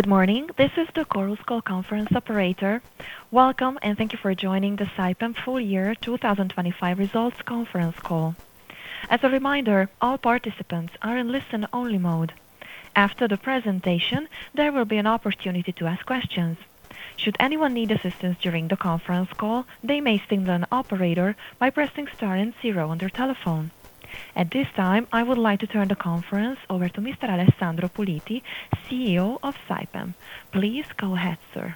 Good morning. This is the Chorus Call Conference operator. Welcome, and thank you for joining the Saipem Full Year 2025 Results Conference Call. As a reminder, all participants are in listen-only mode. After the presentation, there will be an opportunity to ask questions. Should anyone need assistance during the conference call, they may signal an operator by pressing star 0 on their telephone. At this time, I would like to turn the conference over to Mr. Alessandro Puliti, CEO of Saipem. Please go ahead, sir.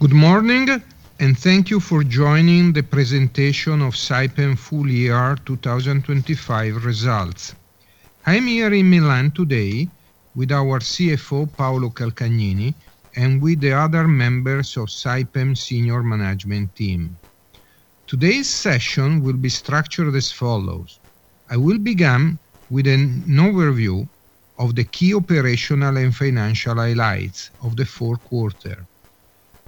Good morning. Thank you for joining the presentation of Saipem Full Year 2025 results. I'm here in Milan today with our CFO, Paolo Calcagnini, and with the other members of Saipem senior management team. Today's session will be structured as follows: I will begin with an overview of the key operational and financial highlights of the fourth quarter.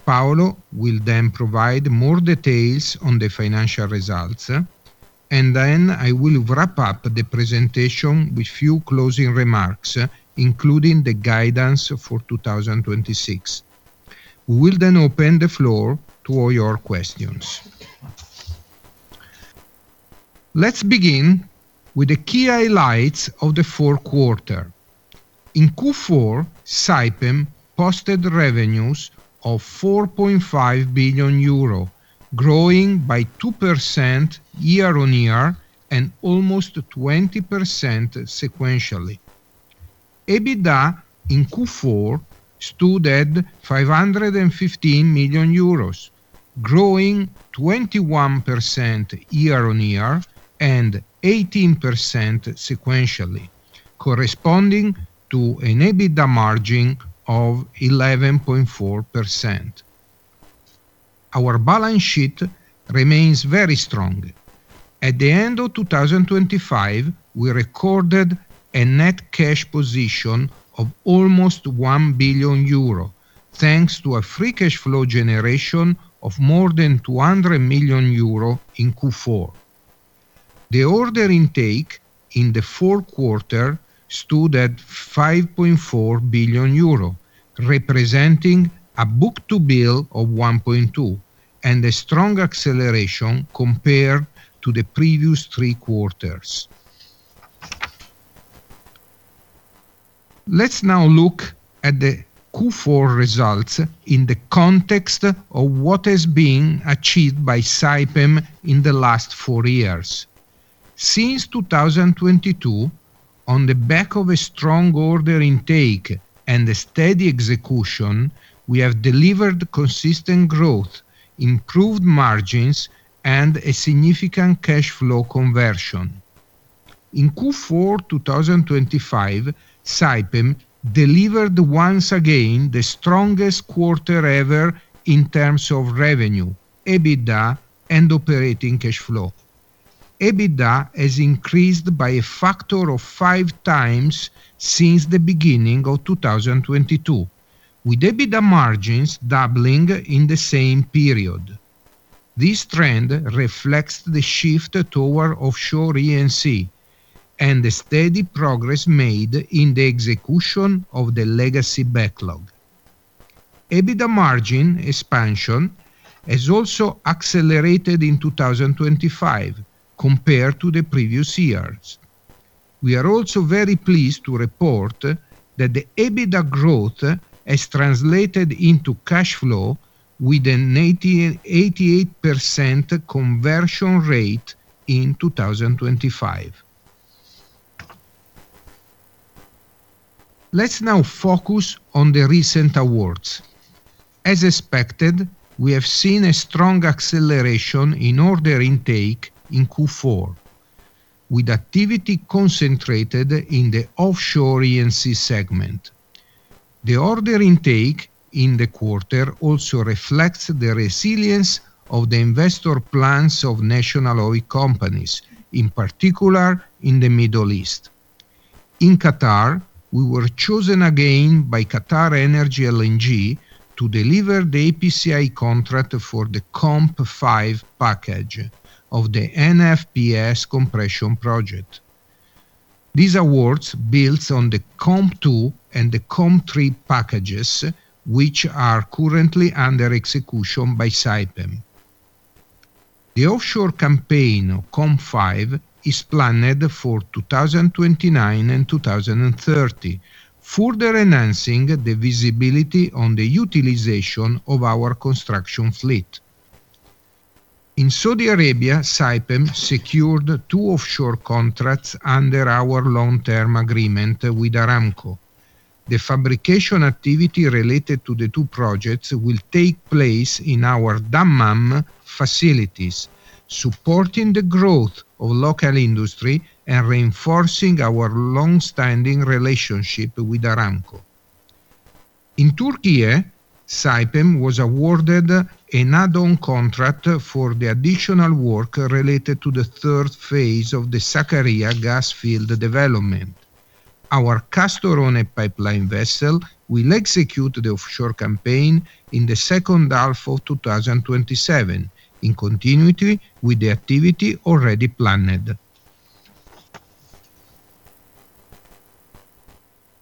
Paolo will then provide more details on the financial results. I will wrap up the presentation with few closing remarks, including the guidance for 2026. We will open the floor to all your questions. Let's begin with the key highlights of the fourth quarter. In Q4, Saipem posted revenues of 4.5 billion euro, growing by 2% year-on-year and almost 20% sequentially. EBITDA in Q4 stood at 515 million euros, growing 21% year-on-year and 18% sequentially, corresponding to an EBITDA margin of 11.4%. Our balance sheet remains very strong. At the end of 2025, we recorded a net cash position of almost 1 billion euro, thanks to a free cash flow generation of more than 200 million euro in Q4. The order intake in the fourth quarter stood at 5.4 billion euro, representing a book-to-bill of 1.2 and a strong acceleration compared to the previous three quarters. Let's now look at the Q4 results in the context of what has been achieved by Saipem in the last four years. Since 2022, on the back of a strong order intake and a steady execution, we have delivered consistent growth, improved margins, and a significant cash flow conversion. In Q4 2025, Saipem delivered once again the strongest quarter ever in terms of revenue, EBITDA, and operating cash flow. EBITDA has increased by a factor of 5 times since the beginning of 2022, with EBITDA margins doubling in the same period. This trend reflects the shift toward offshore E&C and the steady progress made in the execution of the legacy backlog. EBITDA margin expansion has also accelerated in 2025 compared to the previous years. We are also very pleased to report that the EBITDA growth has translated into cash flow with an 88% conversion rate in 2025. Let's now focus on the recent awards. As expected, we have seen a strong acceleration in order intake in Q4, with activity concentrated in the offshore E&C segment. The order intake in the quarter also reflects the resilience of the investor plans of national oil companies, in particular in the Middle East. In Qatar, we were chosen again by QatarEnergy LNG to deliver the EPCI contract for the COMP5 package of the NFPS compression project. These awards builds on the COMP2 and the COMP3 packages, which are currently under execution by Saipem. The offshore campaign of COMP5 is planned for 2029 and 2030, further enhancing the visibility on the utilization of our construction fleet. In Saudi Arabia, Saipem secured two offshore contracts under our long-term agreement with Aramco. The fabrication activity related to the two projects will take place in our Dammam facilities, supporting the growth of local industry and reinforcing our long-standing relationship with Aramco. In Türkiye, Saipem was awarded an add-on contract for the additional work related to the third phase of the Sakarya gas field development. Our Castorone pipeline vessel will execute the offshore campaign in the second half of 2027, in continuity with the activity already planned.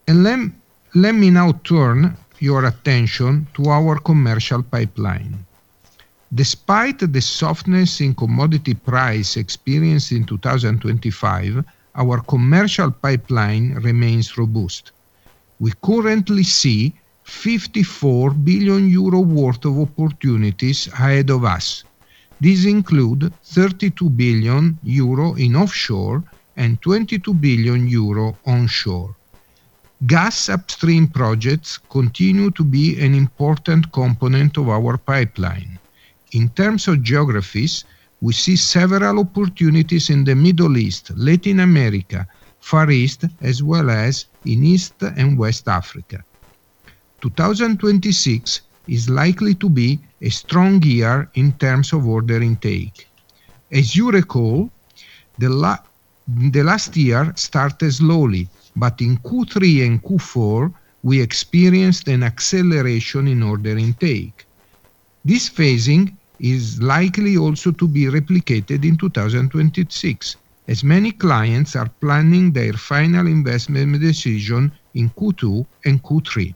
Let me now turn your attention to our commercial pipeline. Despite the softness in commodity price experienced in 2025, our commercial pipeline remains robust. We currently see 54 billion euro worth of opportunities ahead of us. These include 32 billion euro in offshore and 22 billion euro onshore. Gas upstream projects continue to be an important component of our pipeline. In terms of geographies, we see several opportunities in the Middle East, Latin America, Far East, as well as in East and West Africa. 2026 is likely to be a strong year in terms of order intake. As you recall, the last year started slowly, but in Q3 and Q4, we experienced an acceleration in order intake. This phasing is likely also to be replicated in 2026, as many clients are planning their final investment decision in Q2 and Q3.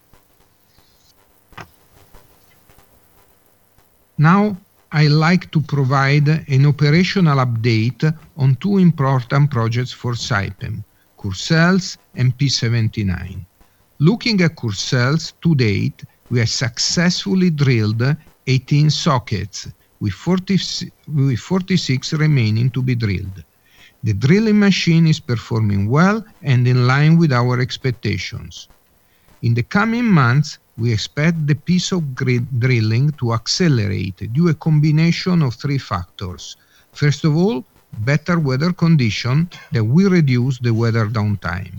I like to provide an operational update on two important projects for Saipem, Courseulles-sur-Mer and P-79. Looking at Courseulles-sur-Mer to date, we have successfully drilled 18 sockets, with 46 remaining to be drilled. The drilling machine is performing well and in line with our expectations. In the coming months, we expect drilling to accelerate due a combination of three factors. First of all, better weather conditions, which will reduce weather downtime.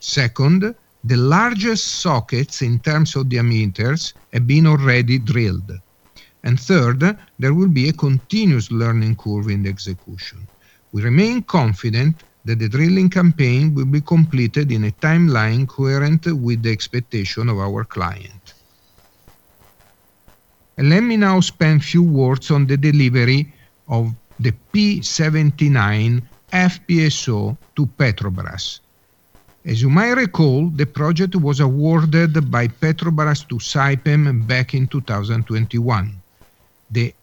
Second, the largest sockets in terms of diameters have been already drilled. Third, there will be a continuous learning curve in the execution. We remain confident that the drilling campaign will be completed in a timeline coherent with the expectation of our client. Let me now spend a few words on the delivery of the P-79 FPSO to Petrobras. As you might recall, the project was awarded by Petrobras to Saipem back in 2021. The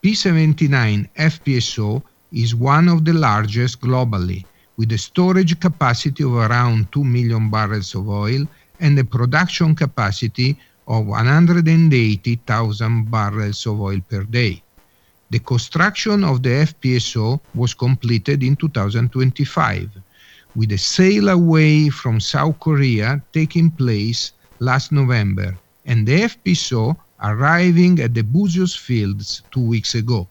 P-79 FPSO is one of the largest globally, with a storage capacity of around 2 million barrels of oil and a production capacity of 180,000 barrels of oil per day. The construction of the FPSO was completed in 2025, with a sail away from South Korea taking place last November, and the FPSO arriving at the Búzios fields two weeks ago.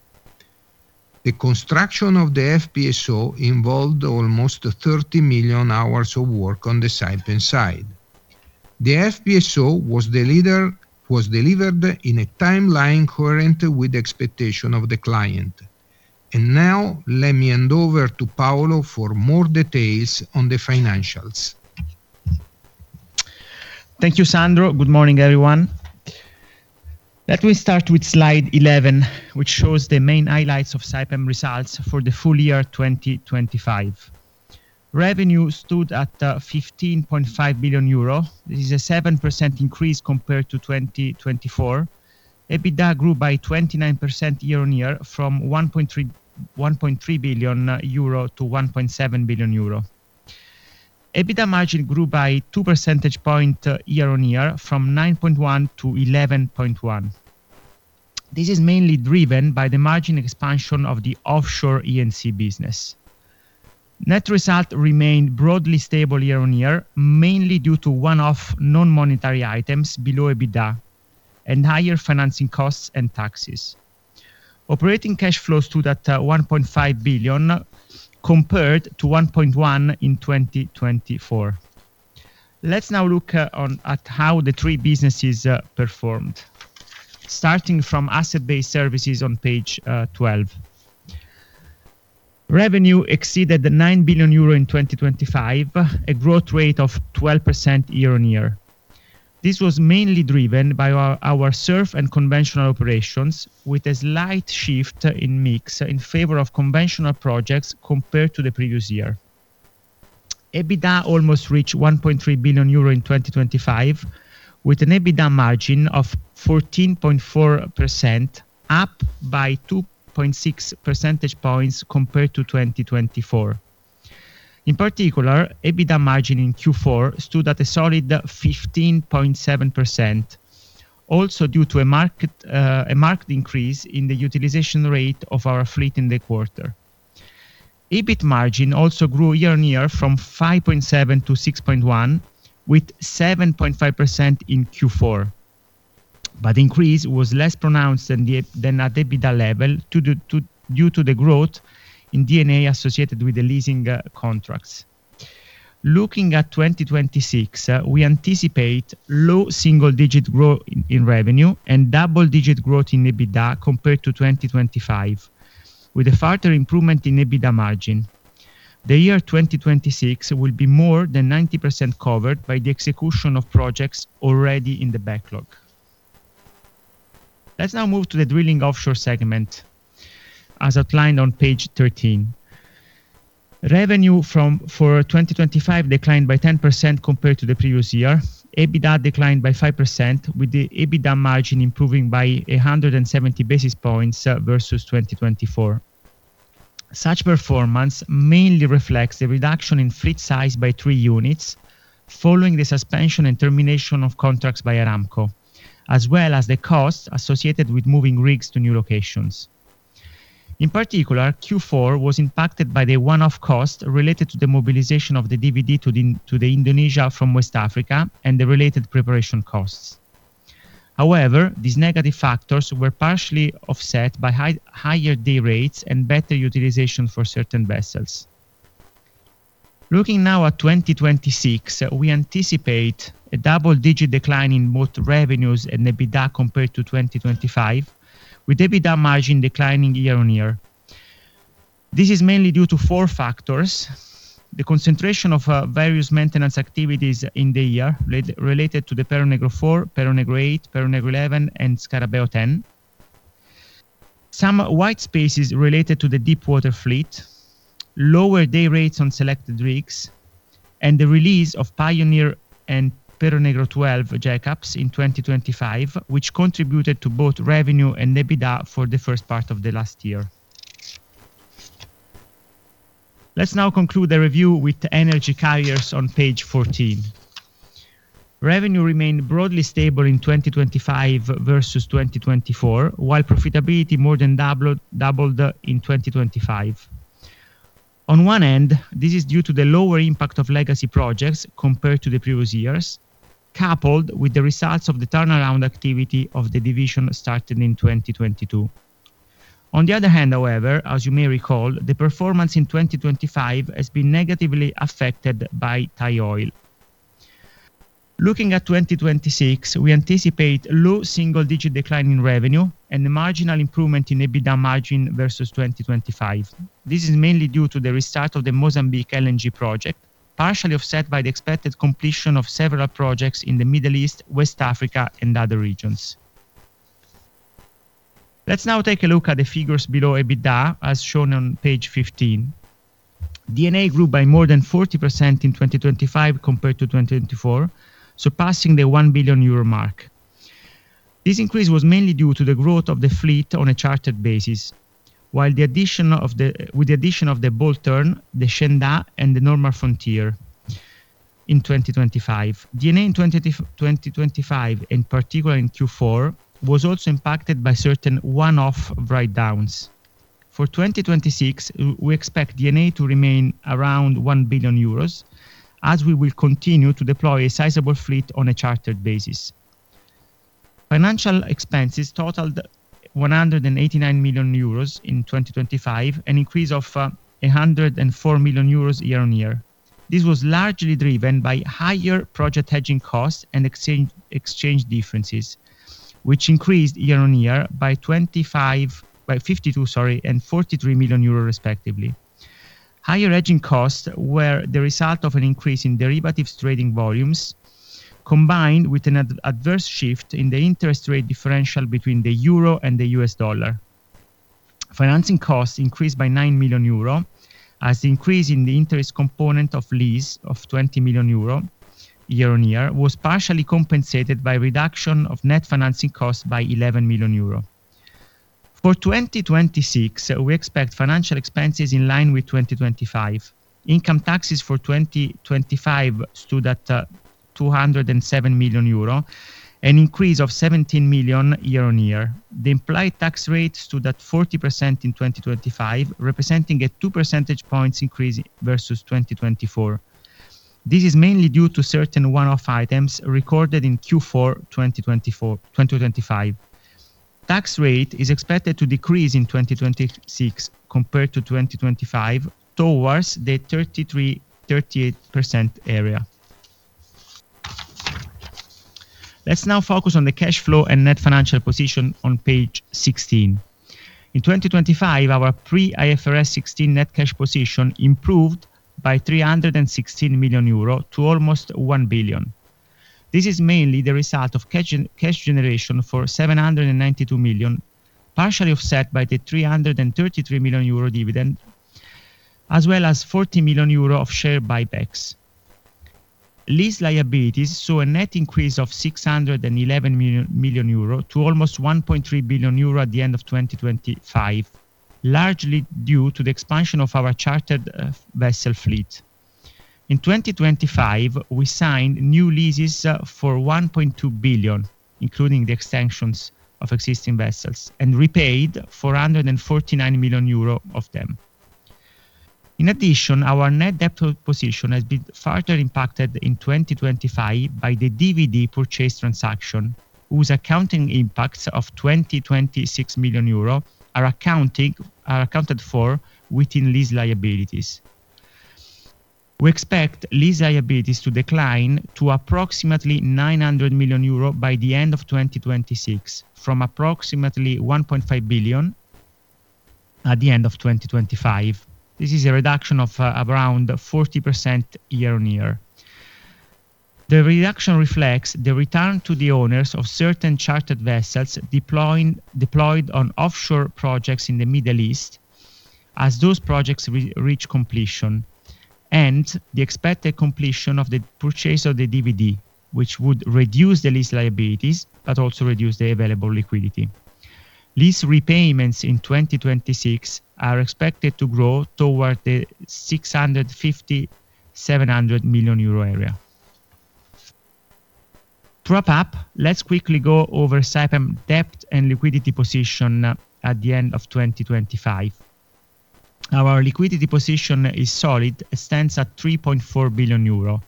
The construction of the FPSO involved almost 30 million hours of work on the Saipem side. The FPSO was delivered in a timeline coherent with the expectation of the client. Now, let me hand over to Paolo for more details on the financials. Thank you, Sandro. Good morning, everyone. Let me start with slide 11, which shows the main highlights of Saipem results for the full year 2025. Revenue stood at 15.5 billion euro. This is a 7% increase compared to 2024. EBITDA grew by 29% year-on-year, from 1.3 billion euro to 1.7 billion euro. EBITDA margin grew by 2 percentage points year-on-year, from 9.1% to 11.1%. This is mainly driven by the margin expansion of the offshore E&C business. Net result remained broadly stable year-on-year, mainly due to one-off non-monetary items below EBITDA and higher financing costs and taxes. Operating cash flows stood at 1.5 billion, compared to 1.1 billion in 2024. Let's now look at how the three businesses performed. Starting from Asset Based Services on page twelve. Revenue exceeded 9 billion euro in 2025, a growth rate of 12% year-on-year. This was mainly driven by our serve and conventional operations, with a slight shift in mix in favor of conventional projects compared to the previous year. EBITDA almost reached 1.3 billion euro in 2025, with an EBITDA margin of 14.4%, up by 2.6 percentage points compared to 2024. In particular, EBITDA margin in Q4 stood at a solid 15.7%, also due to a market increase in the utilization rate of our fleet in the quarter. EBIT margin also grew year-on-year from 5.7 to 6.1, with 7.5% in Q4. Increase was less pronounced than at EBITDA level due to the growth in D&A associated with the leasing contracts. Looking at 2026, we anticipate low single-digit growth in revenue and double-digit growth in EBITDA compared to 2025, with a further improvement in EBITDA margin. The year 2026 will be more than 90% covered by the execution of projects already in the backlog. Let's now move to the drilling offshore segment, as outlined on page 13. Revenue for 2025 declined by 10% compared to the previous year. EBITDA declined by 5%, with the EBITDA margin improving by 170 basis points versus 2024. Such performance mainly reflects the reduction in fleet size by 3 units, following the suspension and termination of contracts by Aramco, as well as the costs associated with moving rigs to new locations. In particular, Q4 was impacted by the one-off cost related to the mobilization of the DVD to the Indonesia from West Africa and the related preparation costs. However, these negative factors were partially offset by higher day rates and better utilization for certain vessels. Looking now at 2026, we anticipate a double-digit decline in both revenues and EBITDA compared to 2025, with EBITDA margin declining year-on-year. This is mainly due to 4 factors: the concentration of various maintenance activities in the year related to the Perro Negro 4, Perro Negro 8, Perro Negro 11, and Scarabeo 9. Some white spaces related to the deepwater fleet, lower day rates on selected rigs, and the release of Pioneer and Perro Negro 12 jackups in 2025, which contributed to both revenue and EBITDA for the first part of the last year. Let's now conclude the review with Energy Carriers on page 14. Revenue remained broadly stable in 2025 versus 2024, while profitability more than doubled in 2025. On one end, this is due to the lower impact of legacy projects compared to the previous years, coupled with the results of the turnaround activity of the division that started in 2022. On the other hand, however, as you may recall, the performance in 2025 has been negatively affected by Thaioil. Looking at 2026, we anticipate low single-digit decline in revenue and a marginal improvement in EBITDA margin versus 2025. This is mainly due to the restart of the Mozambique LNG project, partially offset by the expected completion of several projects in the Middle East, West Africa, and other regions. Let's now take a look at the figures below EBITDA, as shown on page 15. DNA grew by more than 40% in 2025 compared to 2024, surpassing the 1 billion euro mark. This increase was mainly due to the growth of the fleet on a chartered basis, with the addition of the Bolton, the Shenandoah, and the Normand Frontier in 2025. DA in 2025, in particular in Q4, was also impacted by certain one-off write downs. For 2026, we expect DNA to remain around 1 billion euros, as we will continue to deploy a sizable fleet on a chartered basis. Financial expenses totaled 189 million euros in 2025, an increase of 104 million euros year-on-year. This was largely driven by higher project hedging costs and exchange differences, which increased year-on-year by 25, by 52, sorry, and 43 million euro, respectively. Higher hedging costs were the result of an increase in derivatives trading volumes, combined with an adverse shift in the interest rate differential between the euro and the US dollar. Financing costs increased by 9 million euro, as the increase in the interest component of lease of 20 million euro year-on-year, was partially compensated by reduction of net financing costs by 11 million euro. For 2026, we expect financial expenses in line with 2025. Income taxes for 2025 stood at 207 million euro, an increase of 17 million year-on-year. The implied tax rate stood at 40% in 2025, representing a 2 percentage points increase versus 2024. This is mainly due to certain one-off items recorded in Q4, 2024, 2025. Tax rate is expected to decrease in 2026 compared to 2025, towards the 33%-38% area. Let's now focus on the cash flow and net financial position on page 16. In 2025, our pre-IFRS 16 net cash position improved by 316 million euro to almost 1 billion. This is mainly the result of cash generation for 792 million, partially offset by the 333 million euro dividend, as well as 40 million euro of share buybacks. Lease liabilities saw a net increase of 611 million to almost 1.3 billion euro at the end of 2025, largely due to the expansion of our chartered vessel fleet. In 2025, we signed new leases for 1.2 billion, including the extensions of existing vessels, and repaid 449 million euro of them. In addition, our net debt position has been further impacted in 2025 by the DVD purchase transaction, whose accounting impacts of 226 million euro are accounted for within lease liabilities. We expect lease liabilities to decline to approximately 900 million euro by the end of 2026, from approximately 1.5 billion at the end of 2025. This is a reduction of around 40% year-on-year. The reduction reflects the return to the owners of certain chartered vessels deployed on offshore projects in the Middle East, as those projects reach completion, and the expected completion of the purchase of the DVD, which would reduce the lease liabilities, but also reduce the available liquidity. Lease repayments in 2026 are expected to grow toward the 650 million-700 million euro area. To wrap up, let's quickly go over Saipem debt and liquidity position at the end of 2025. Our liquidity position is solid, it stands at 3.4 billion euro.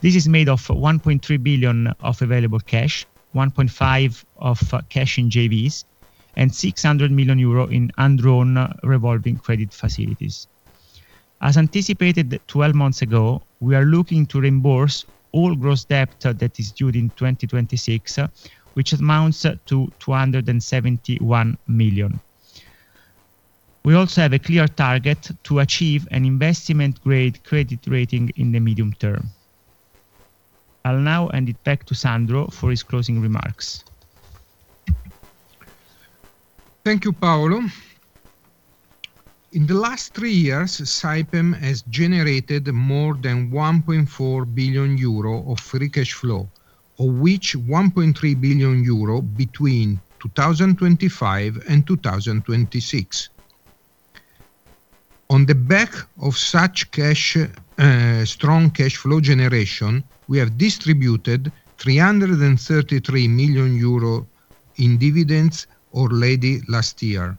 This is made of 1.3 billion of available cash, 1.5 billion of cash in JVs, and 600 million euro in undrawn revolving credit facilities. As anticipated 12 months ago, we are looking to reimburse all gross debt that is due in 2026, which amounts to 271 million. We also have a clear target to achieve an investment-grade credit rating in the medium term. I'll now hand it back to Sandro for his closing remarks. Thank you, Paolo. In the last three years, Saipem has generated more than 1.4 billion euro of free cash flow, of which 1.3 billion euro between 2025 and 2026. On the back of such cash, strong cash flow generation, we have distributed 333 million euro in dividends already last year.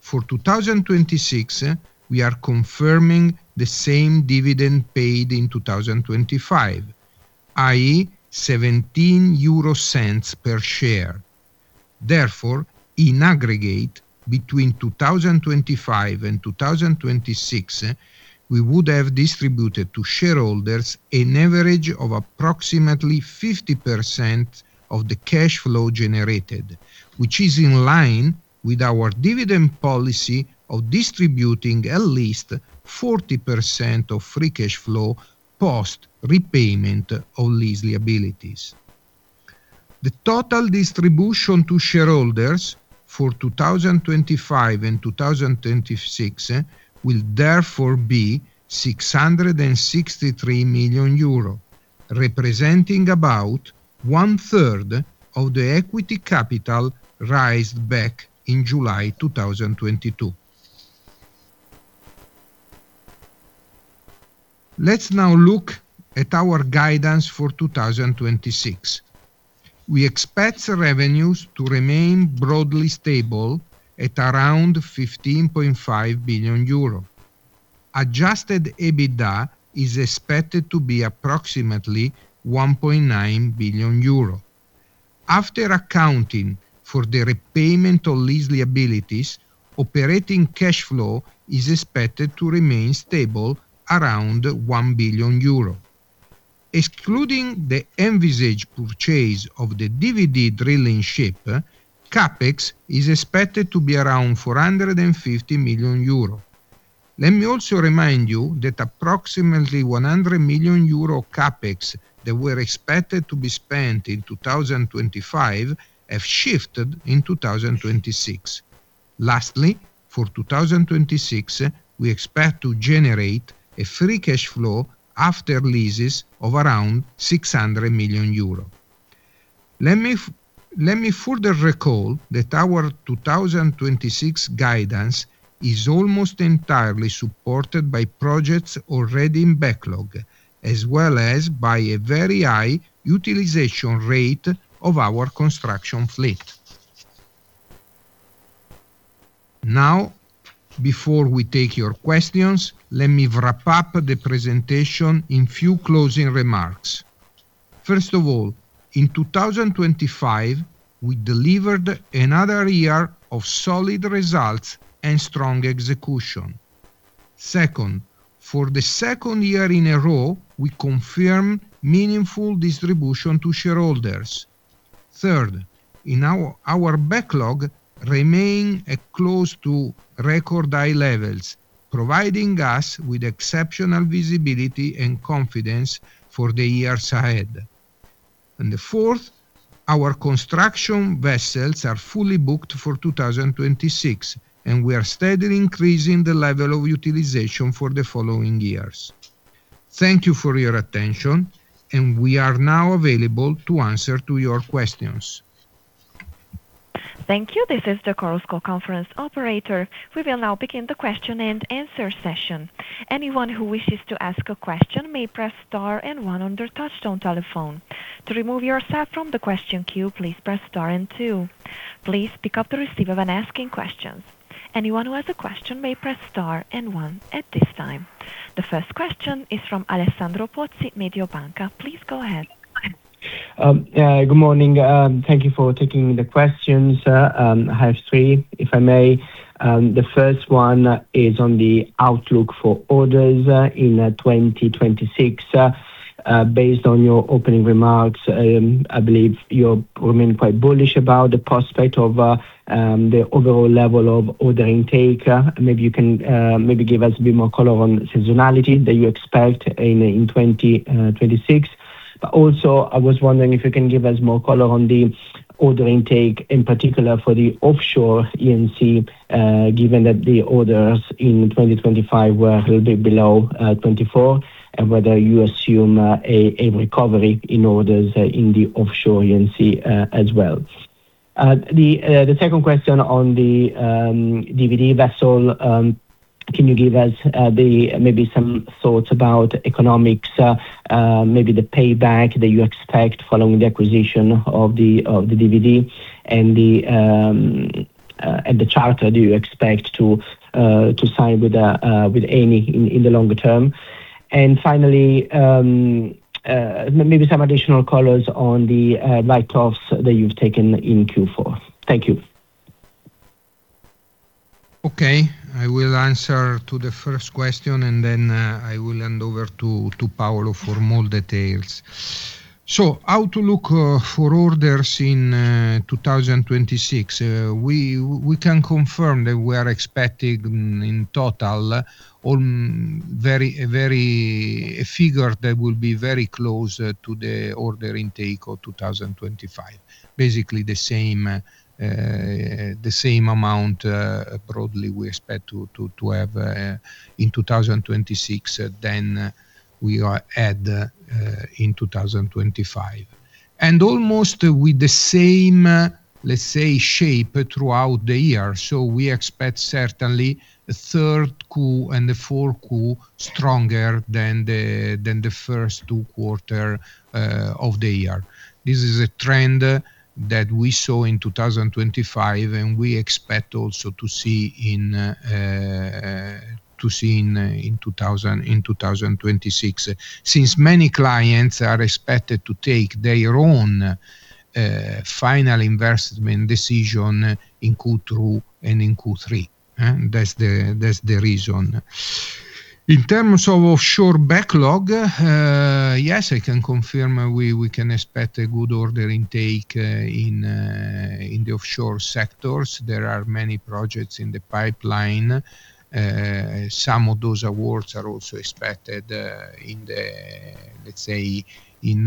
For 2026, we are confirming the same dividend paid in 2025, i.e., 0.17 per share. Therefore, in aggregate, between 2025 and 2026, we would have distributed to shareholders an average of approximately 50% of the cash flow generated. Which is in line with our dividend policy of distributing at least 40% of free cash flow, post repayment of lease liabilities. The total distribution to shareholders for 2025 and 2026 will therefore be 663 million euro, representing about one-third of the equity capital raised back in July 2022. Let's now look at our guidance for 2026. We expect revenues to remain broadly stable at around 15.5 billion euro. Adjusted EBITDA is expected to be approximately 1.9 billion euro. After accounting for the repayment of lease liabilities, operating cash flow is expected to remain stable around 1 billion euro. Excluding the envisaged purchase of the DVD drilling ship, CapEx is expected to be around 450 million euro. Let me also remind you that approximately 100 million euro CapEx that were expected to be spent in 2025 have shifted in 2026. Lastly, for 2026, we expect to generate a free cash flow after leases of around 600 million euro. Let me further recall that our 2026 guidance is almost entirely supported by projects already in backlog, as well as by a very high utilization rate of our construction fleet. Before we take your questions, let me wrap up the presentation in few closing remarks. In 2025, we delivered another year of solid results and strong execution. For the second year in a row, we confirm meaningful distribution to shareholders. Our backlog remain at close to record high levels, providing us with exceptional visibility and confidence for the years ahead. Fourth, our construction vessels are fully booked for 2026, and we are steadily increasing the level of utilization for the following years. Thank you for your attention, and we are now available to answer to your questions. Thank you. This is the Chorus Call conference operator. We will now begin the question and answer session. Anyone who wishes to ask a question may press star and one on their touchtone telephone. To remove yourself from the question queue, please press star and two. Please pick up the receiver when asking questions. Anyone who has a question may press star and one at this time. The first question is from Alessandro Pozzi, Mediobanca. Please go ahead. Yeah, good morning, thank you for taking the questions, I have 3, if I may. The first one is on the outlook for orders in 2026, based on your opening remarks, I believe you remain quite bullish about the prospect of the overall level of order intake. Maybe you can maybe give us a bit more color on seasonality that you expect in 2026. I was wondering if you can give us more color on the order intake, in particular for the offshore E&C, given that the orders in 2025 were a little bit below 2024, and whether you assume a recovery in orders in the offshore E&C as well. The second question on the DVD vessel, can you give us maybe some thoughts about economics, maybe the payback that you expect following the acquisition of the DVD and the charter, do you expect to sign with Eni in the longer term? Finally, maybe some additional colors on the write-offs that you've taken in Q4. Thank you. Okay, I will answer to the first question. I will hand over to Paolo for more details. How to look for orders in 2026? We can confirm that we are expecting in total a figure that will be very close to the order intake of 2025. Basically, the same amount broadly we expect to have in 2026 than we are at in 2025. Almost with the same, let's say, shape throughout the year. We expect certainly the 3Q and the 4Q stronger than the first two quarters of the year. This is a trend that we saw in 2025, and we expect also to see in 2026. Since many clients are expected to take their own final investment decision in Q2 and in Q3, that's the reason. In terms of offshore backlog, yes, I can confirm we can expect a good order intake in the offshore sectors. There are many projects in the pipeline. Some of those awards are also expected in the, let's say, in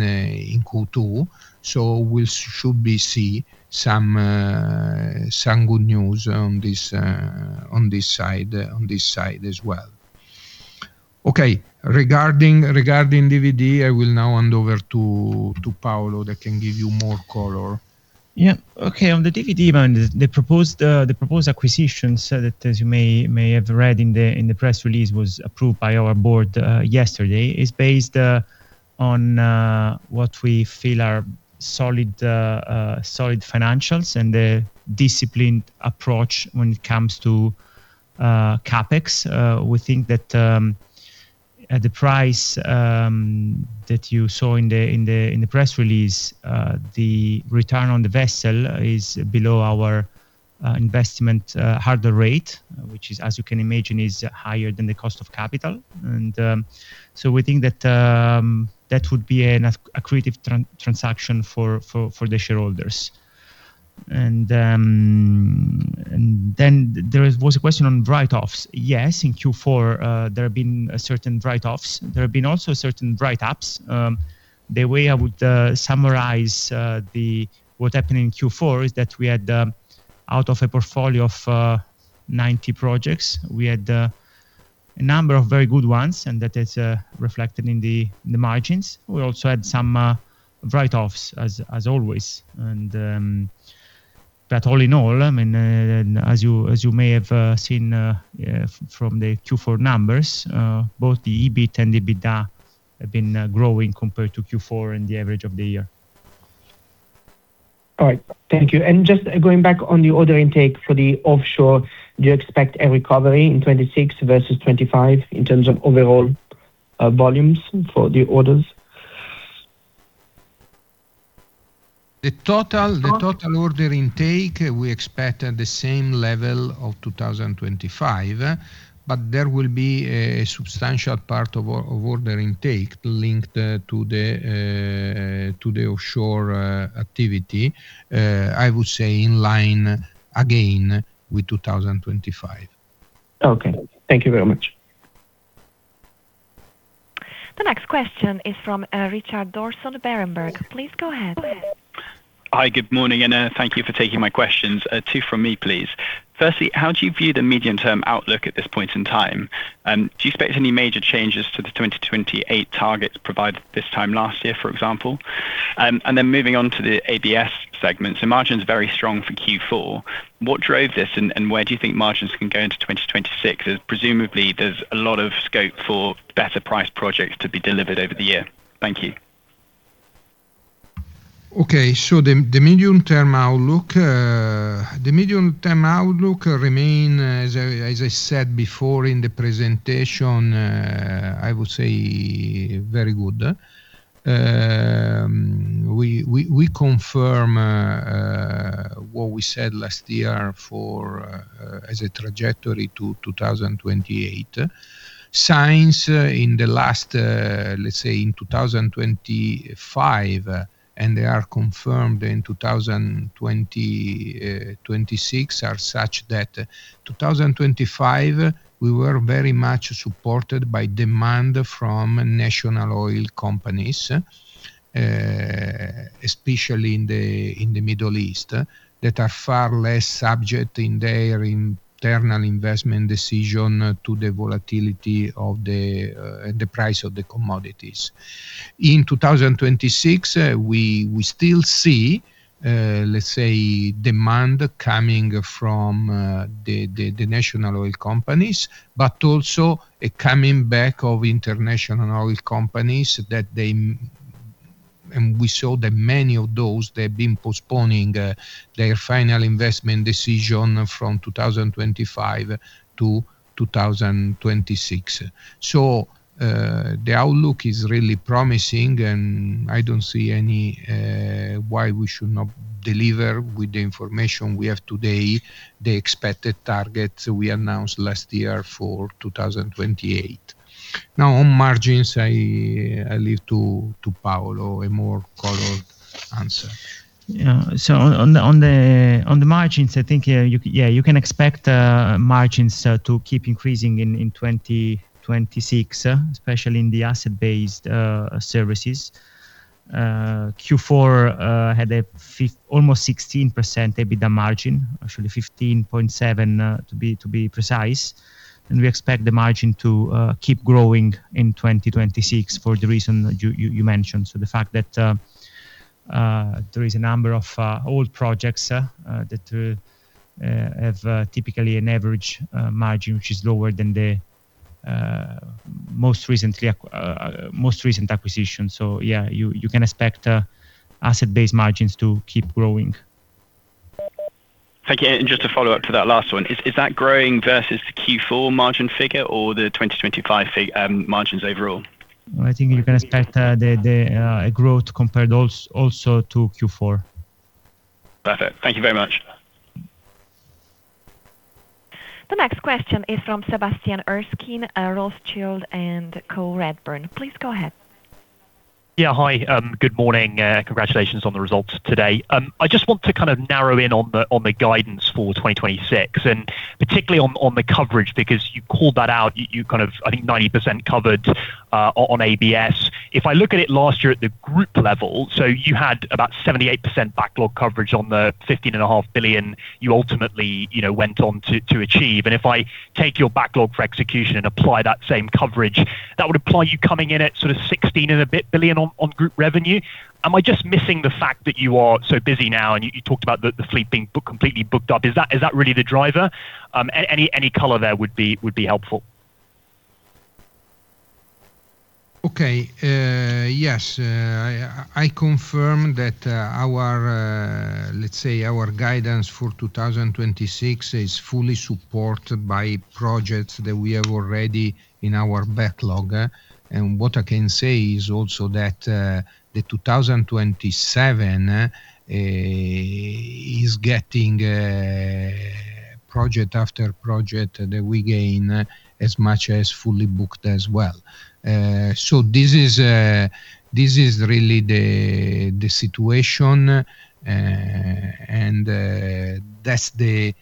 Q2. So we should see some good news on this side as well. Okay. Regarding DVD, I will now hand over to Paolo, that can give you more color. Yeah. Okay. On the DVD bond, the proposed acquisition so that as you may have read in the press release was approved by our board yesterday, is based on what we feel are solid financials and a disciplined approach when it comes to CapEx. We think that the price that you saw in the press release, the return on the vessel is below our investment harder rate, which is, as you can imagine, is higher than the cost of capital. We think that that would be an accretive transaction for the shareholders. There was a question on write-offs. Yes, in Q4, there have been certain write-offs. There have been also certain write-ups. The way I would summarize the what happened in Q4 is that we had out of a portfolio of 90 projects, we had a number of very good ones, and that is reflected in the margins. We also had some write-offs as always. All in all, I mean, and as you, as you may have seen from the Q4 numbers, both the EBIT and the EBITDA have been growing compared to Q4 and the average of the year. All right. Thank you. Just going back on the order intake for the offshore, do you expect a recovery in 26 versus 25 in terms of overall volumes for the orders? The total order intake, we expect at the same level of 2025, but there will be a substantial part of of order intake linked to the to the offshore activity I would say in line again with 2025. Okay. Thank you very much. The next question is from Richard Dawson at Berenberg. Please go ahead. Hi, good morning, and thank you for taking my questions. Two from me, please. Firstly, how do you view the medium-term outlook at this point in time? Do you expect any major changes to the 2028 targets provided this time last year, for example? Moving on to the ABS segment. Margin's very strong for Q4. What drove this, and where do you think margins can go into 2026? As presumably, there's a lot of scope for better priced projects to be delivered over the year. Thank you. Okay. The medium-term outlook remain, as I said before in the presentation, I would say very good. We confirm what we said last year for as a trajectory to 2028. Signs in the last, let's say in 2025, and they are confirmed in 2026, are such that 2025, we were very much supported by demand from national oil companies, especially in the Middle East, that are far less subject in their internal investment decision to the volatility of the price of the commodities. In 2026, we still see, let's say, demand coming from the national oil companies, but also a coming back of international oil companies that. We saw that many of those, they've been postponing their final investment decision from 2025 to 2026. The outlook is really promising, and I don't see any why we should not deliver with the information we have today, the expected targets we announced last year for 2028. On margins, I leave to Paolo, a more colored answer. On the margins, I think, you can expect margins to keep increasing in 2026, especially in the Asset Based Services. Q4 had almost 16% EBITDA margin, actually 15.7, to be precise. We expect the margin to keep growing in 2026, for the reason that you mentioned. The fact that there is a number of old projects that have typically an average margin, which is lower than the most recent acquisition. You can expect asset-based margins to keep growing. Thank you. Just to follow up to that last one, is that growing versus the Q4 margin figure or the 2025 margins overall? I think you can expect the growth compared also to Q4. Perfect. Thank you very much. The next question is from Sebastian Erskine, Rothschild & Co Redburn. Please go ahead. Yeah. Hi, good morning. Congratulations on the results today. I just want to kind of narrow in on the, on the guidance for 2026, and particularly on the coverage, because you called that out, you kind of, I think, 90% covered, on ABS. If I look at it last year at the group level, so you had about 78% backlog coverage on the 15 and a half billion, you ultimately, you know, went on to achieve. If I take your backlog for execution and apply that same coverage, that would apply you coming in at sort of 16 and a bit billion on group revenue. Am I just missing the fact that you are so busy now and you talked about the fleet being completely booked up? Is that, is that really the driver? Any color there would be helpful. Okay. Yes. I confirm that our, let's say, our guidance for 2026 is fully supported by projects that we have already in our backlog. What I can say is also that the 2027 is getting project after project that we gain as much as fully booked as well. So this is this is really the situation, and that's the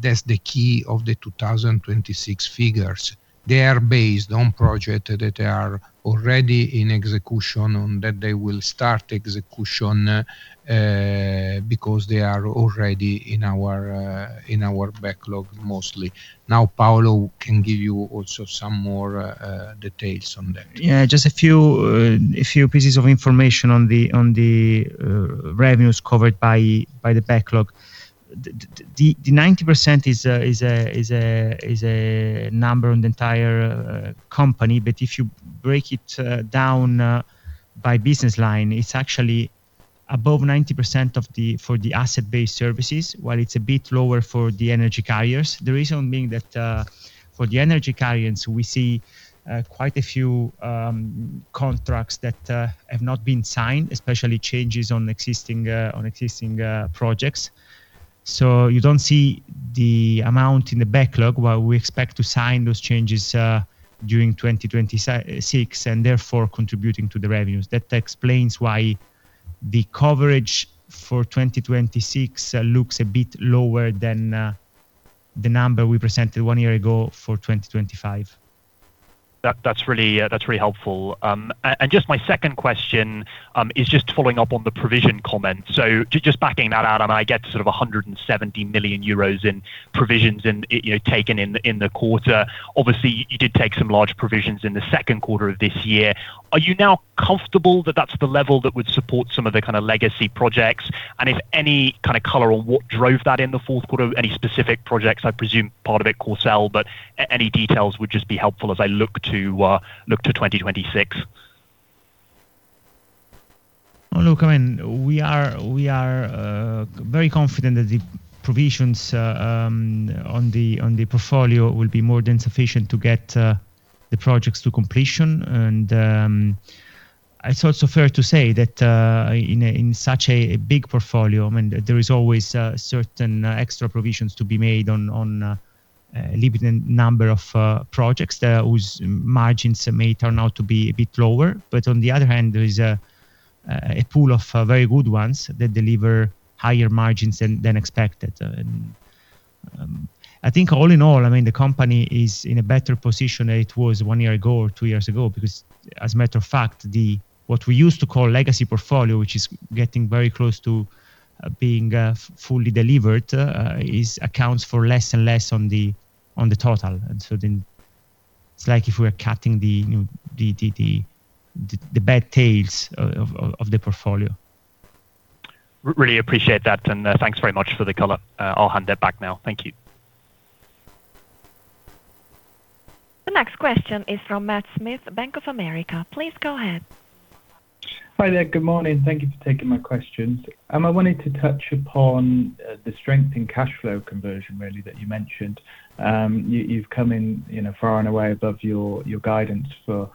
that's the key of the 2026 figures. They are based on project that are already in execution, and that they will start execution because they are already in our in our backlog mostly. Now, Paolo can give you also some more details on that. Yeah, just a few pieces of information on the revenues covered by the backlog. The 90% is a number on the entire company, but if you break it down by business line, it's actually above 90% for the Asset Based Services, while it's a bit lower for the Energy Carriers. The reason being that for the Energy Carriers, we see quite a few contracts that have not been signed, especially changes on existing projects. You don't see the amount in the backlog while we expect to sign those changes during 2026, and therefore contributing to the revenues. That explains why the coverage for 2026 looks a bit lower than the number we presented 1 year ago for 2025. That's really, that's really helpful. Just my second question is just following up on the provision comment. Just backing that out, I get sort of 170 million euros in provisions and, you know, taken in the quarter. Obviously, you did take some large provisions in the second quarter of this year. Are you now comfortable that that's the level that would support some of the kind of legacy projects? If any kind of color on what drove that in the fourth quarter, any specific projects, I presume part of it Courseulles-sur-Mer, but any details would just be helpful as I look to 2026. Oh, look, I mean, we are very confident that the provisions on the portfolio will be more than sufficient to get the projects to completion. It's also fair to say that in such a big portfolio, I mean, there is always certain extra provisions to be made on limited number of projects whose margins may turn out to be a bit lower. On the other hand, there is a pool of very good ones that deliver higher margins than expected. I think all in all, I mean, the company is in a better position than it was one year ago or two years ago. As a matter of fact, the what we used to call legacy portfolio, which is getting very close to being fully delivered, is accounts for less and less on the total. It's like if we're cutting the new bad tails of the portfolio. Really appreciate that, and, thanks very much for the color. I'll hand it back now. Thank you. The next question is from Labeeb Ahmad, Bank of America. Please go ahead. Hi there. Good morning. Thank you for taking my questions. I wanted to touch upon the strength in cash flow conversion really that you mentioned. You've come in, you know, far and away above your guidance for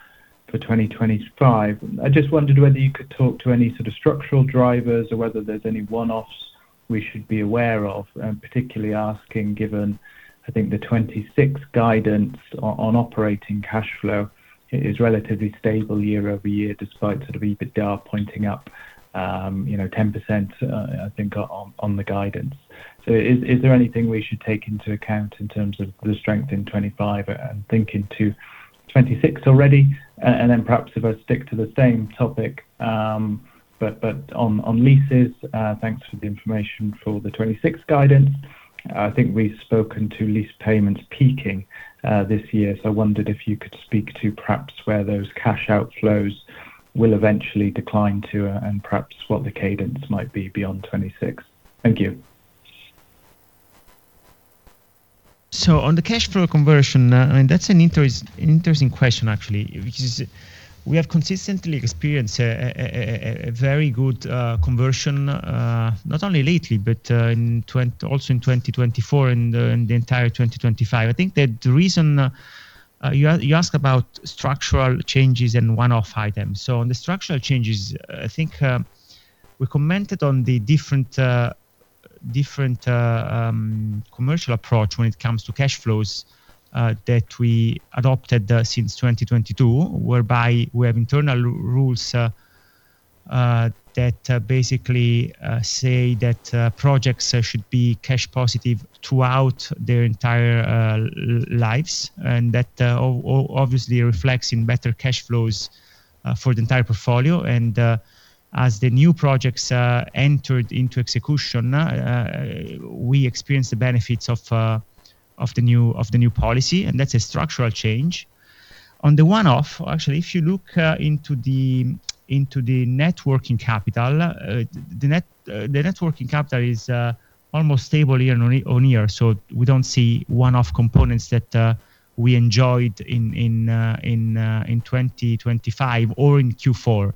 2025. I just wondered whether you could talk to any sort of structural drivers or whether there's any one-offs we should be aware of, and particularly asking, given, I think the 2026 guidance on operating cash flow is relatively stable year-over-year, despite sort of EBITDA pointing up, you know, 10%, I think, on the guidance. Is there anything we should take into account in terms of the strength in 2025 and thinking to 2026 already? Perhaps if I stick to the same topic, but on leases, thanks for the information for the 2026 guidance. I think we've spoken to lease payments peaking, this year. I wondered if you could speak to perhaps where those cash outflows will eventually decline to, and perhaps what the cadence might be beyond 2026. Thank you. On the cash flow conversion, I mean, that's an interesting question actually, because we have consistently experienced a very good conversion, not only lately, but also in 2024 and in the entire 2025. I think that the reason you ask, you ask about structural changes and one-off items. On the structural changes, I think, we commented on the different, commercial approach when it comes to cash flows that we adopted since 2022, whereby we have internal rules that basically say that projects should be cash positive throughout their entire lives. That obviously reflects in better cash flows for the entire portfolio. As the new projects entered into execution, we experienced the benefits of the new policy, and that's a structural change. On the one-off, actually, if you look into the net working capital, the net working capital is almost stable year-on-year, so we don't see one-off components that we enjoyed in 2025 or in Q4.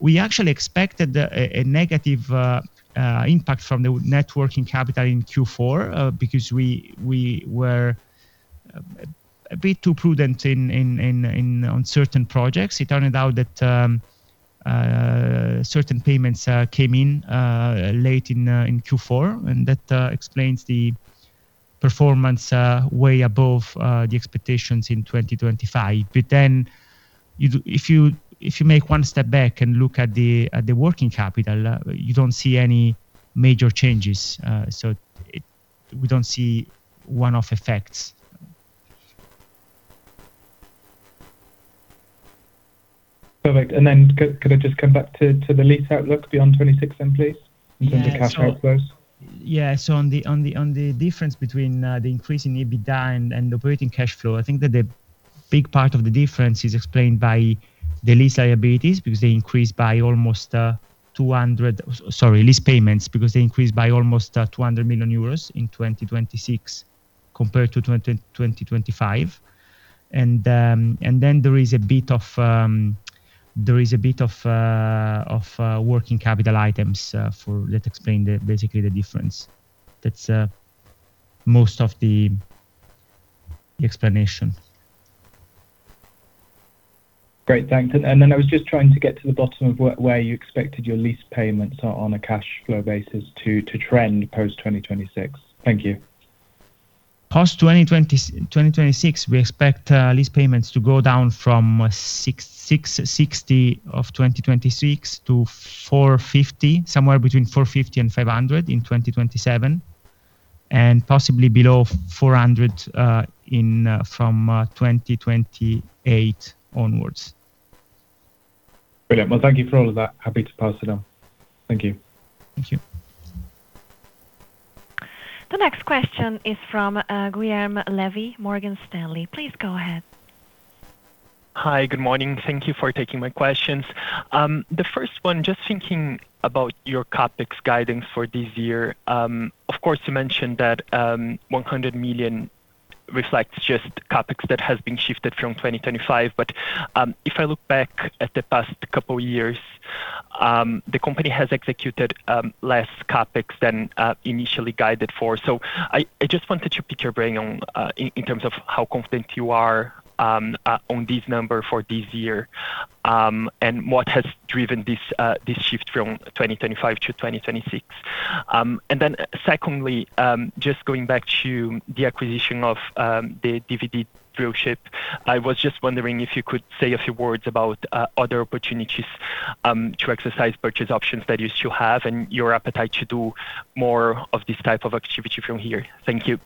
We actually expected a negative impact from the net working capital in Q4, because we were a bit too prudent on certain projects. It turned out that certain payments came in late in Q4, and that explains the performance way above the expectations in 2025. You do. If you make one step back and look at the working capital, you don't see any major changes, so we don't see one-off effects. Perfect. Could I just come back to the lease outlook beyond 26 then, please? Yeah. The cash outflows. Yeah, on the difference between the increase in EBITDA and operating cash flow, I think that the big part of the difference is explained by the lease liabilities, because they increased by almost, Sorry, lease payments, because they increased by almost, 200 million euros in 2026 compared to 2025. There is a bit of working capital items, that explain the, basically the difference. That's, most of the explanation. Great, thanks. I was just trying to get to the bottom of where you expected your lease payments on a cash flow basis to trend post 2026. Thank you. Post 2026, we expect lease payments to go down from 660 of 2026 to 450, somewhere between 450 and 500 in 2027, and possibly below 400 from 2028 onwards. Brilliant. Well, thank you for all of that. Happy to pass it on. Thank you. Thank you. The next question is from Guilherme Levy, Morgan Stanley. Please go ahead. Hi, good morning. Thank you for taking my questions. The first one, just thinking about your CapEx guidance for this year. Of course, you mentioned that 100 million reflects just CapEx that has been shifted from 2025. If I look back at the past couple of years, the company has executed less CapEx than initially guided for. I just wanted to pick your brain on in terms of how confident you are on this number for this year, and what has driven this shift from 2025 to 2026. Secondly, just going back to the acquisition of the DVD drill ship, I was just wondering if you could say a few words about other opportunities to exercise purchase options that you still have and your appetite to do more of this type of activity from here. Thank you.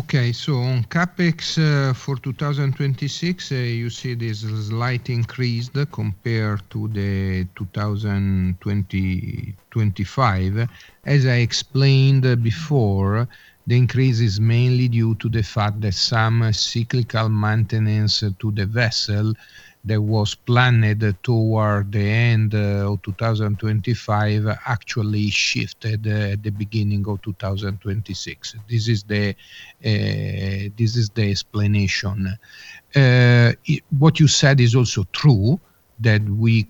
On CapEx, for 2026, you see this slight increase compared to the 2025. As I explained before, the increase is mainly due to the fact that some cyclical maintenance to the vessel that was planned toward the end, of 2025 actually shifted, at the beginning of 2026. This is the explanation. What you said is also true, that we,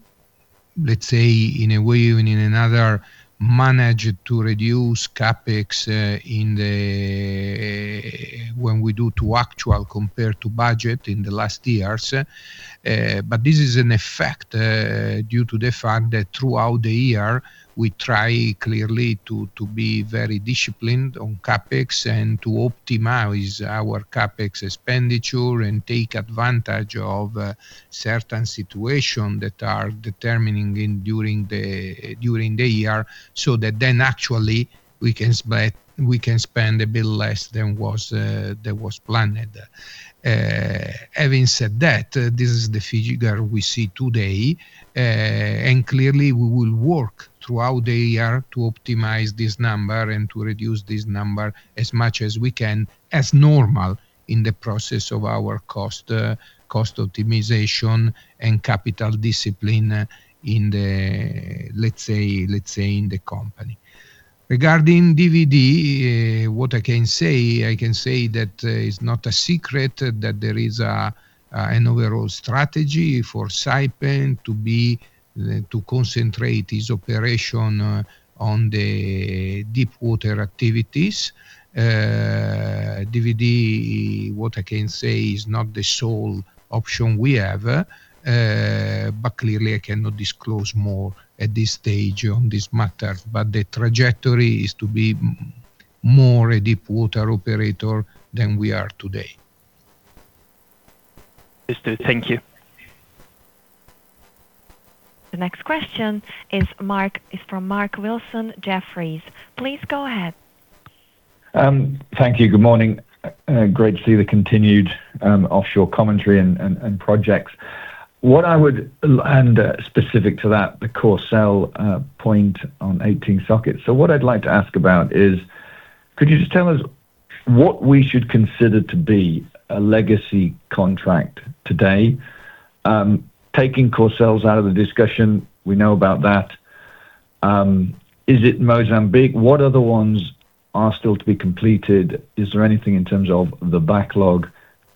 let's say, in a way, even in another, managed to reduce CapEx, in the, when we do to actual compared to budget in the last years. This is an effect due to the fact that throughout the year, we try clearly to be very disciplined on CapEx and to optimize our CapEx expenditure and take advantage of certain situation that are determining in, during the year, so that then actually we can spend a bit less than was planned. Having said that, this is the figure we see today, and clearly, we will work throughout the year to optimize this number and to reduce this number as much as we can, as normal in the process of our cost optimization and capital discipline, in the let's say in the company. Regarding DVD, what I can say, I can say that it's not a secret, that there is an overall strategy for Saipem to be to concentrate its operation on the deep water activities. DVD, what I can say is not the sole option we have, but clearly, I cannot disclose more at this stage on this matter, but the trajectory is to be more a deep water operator than we are today. Understood. Thank you. The next question is from Mark Wilson, Jefferies. Please go ahead. Thank you. Good morning. Great to see the continued offshore commentary and projects. What I would specific to that, the Courseulles-sur-Mer point on 18 sockets. What I'd like to ask about is, could you just tell us what we should consider to be a legacy contract today, taking Courseulles-sur-Mer out of the discussion, we know about that. Is it Mozambique? What other ones are still to be completed? Is there anything in terms of the backlog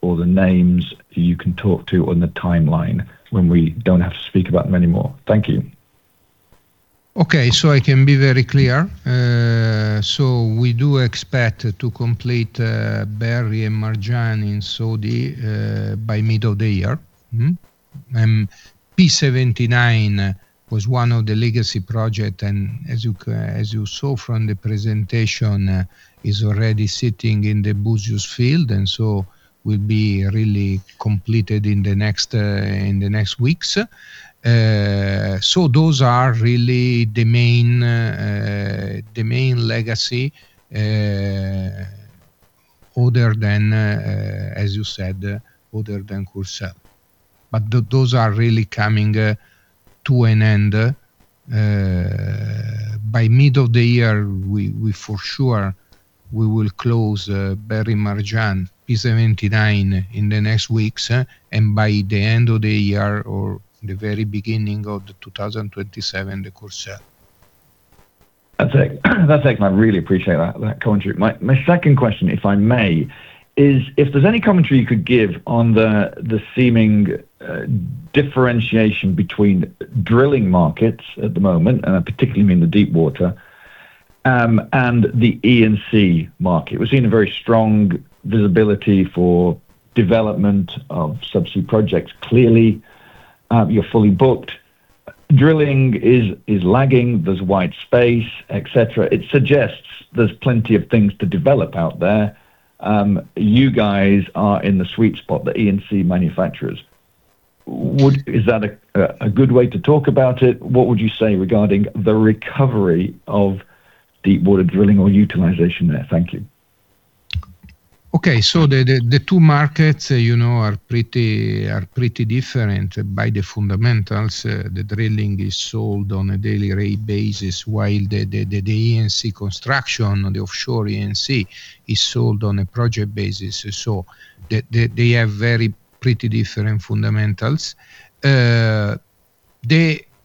or the names you can talk to on the timeline when we don't have to speak about them anymore? Thank you. Okay, I can be very clear. We do expect to complete Berri and Marjan in Saudi by middle of the year. P-79 was one of the legacy project, and as you saw from the presentation, is already sitting in the Búzios field, and will be really completed in the next weeks. Those are really the main, the main legacy, other than, as you said, other than Courseulles-sur-Mer. But those are really coming to an end. By middle of the year, we for sure, we will close Berri Marjan P-79 in the next weeks, and by the end of the year or the very beginning of 2027, the Courseulles-sur-Mer. That's it. I really appreciate that commentary. My second question, if I may, is if there's any commentary you could give on the seeming differentiation between drilling markets at the moment, particularly in the deep water, and the E and C market. We've seen a very strong visibility for development of subsea projects. Clearly, you're fully booked. Drilling is lagging, there's wide space, et cetera. It suggests there's plenty of things to develop out there. You guys are in the sweet spot, the E and C manufacturers. Is that a good way to talk about it? What would you say regarding the recovery of deepwater drilling or utilization there? Thank you. The two markets, you know, are pretty different by the fundamentals. The drilling is sold on a daily rate basis, while the E&C construction on the offshore E&C is sold on a project basis. They have very pretty different fundamentals. The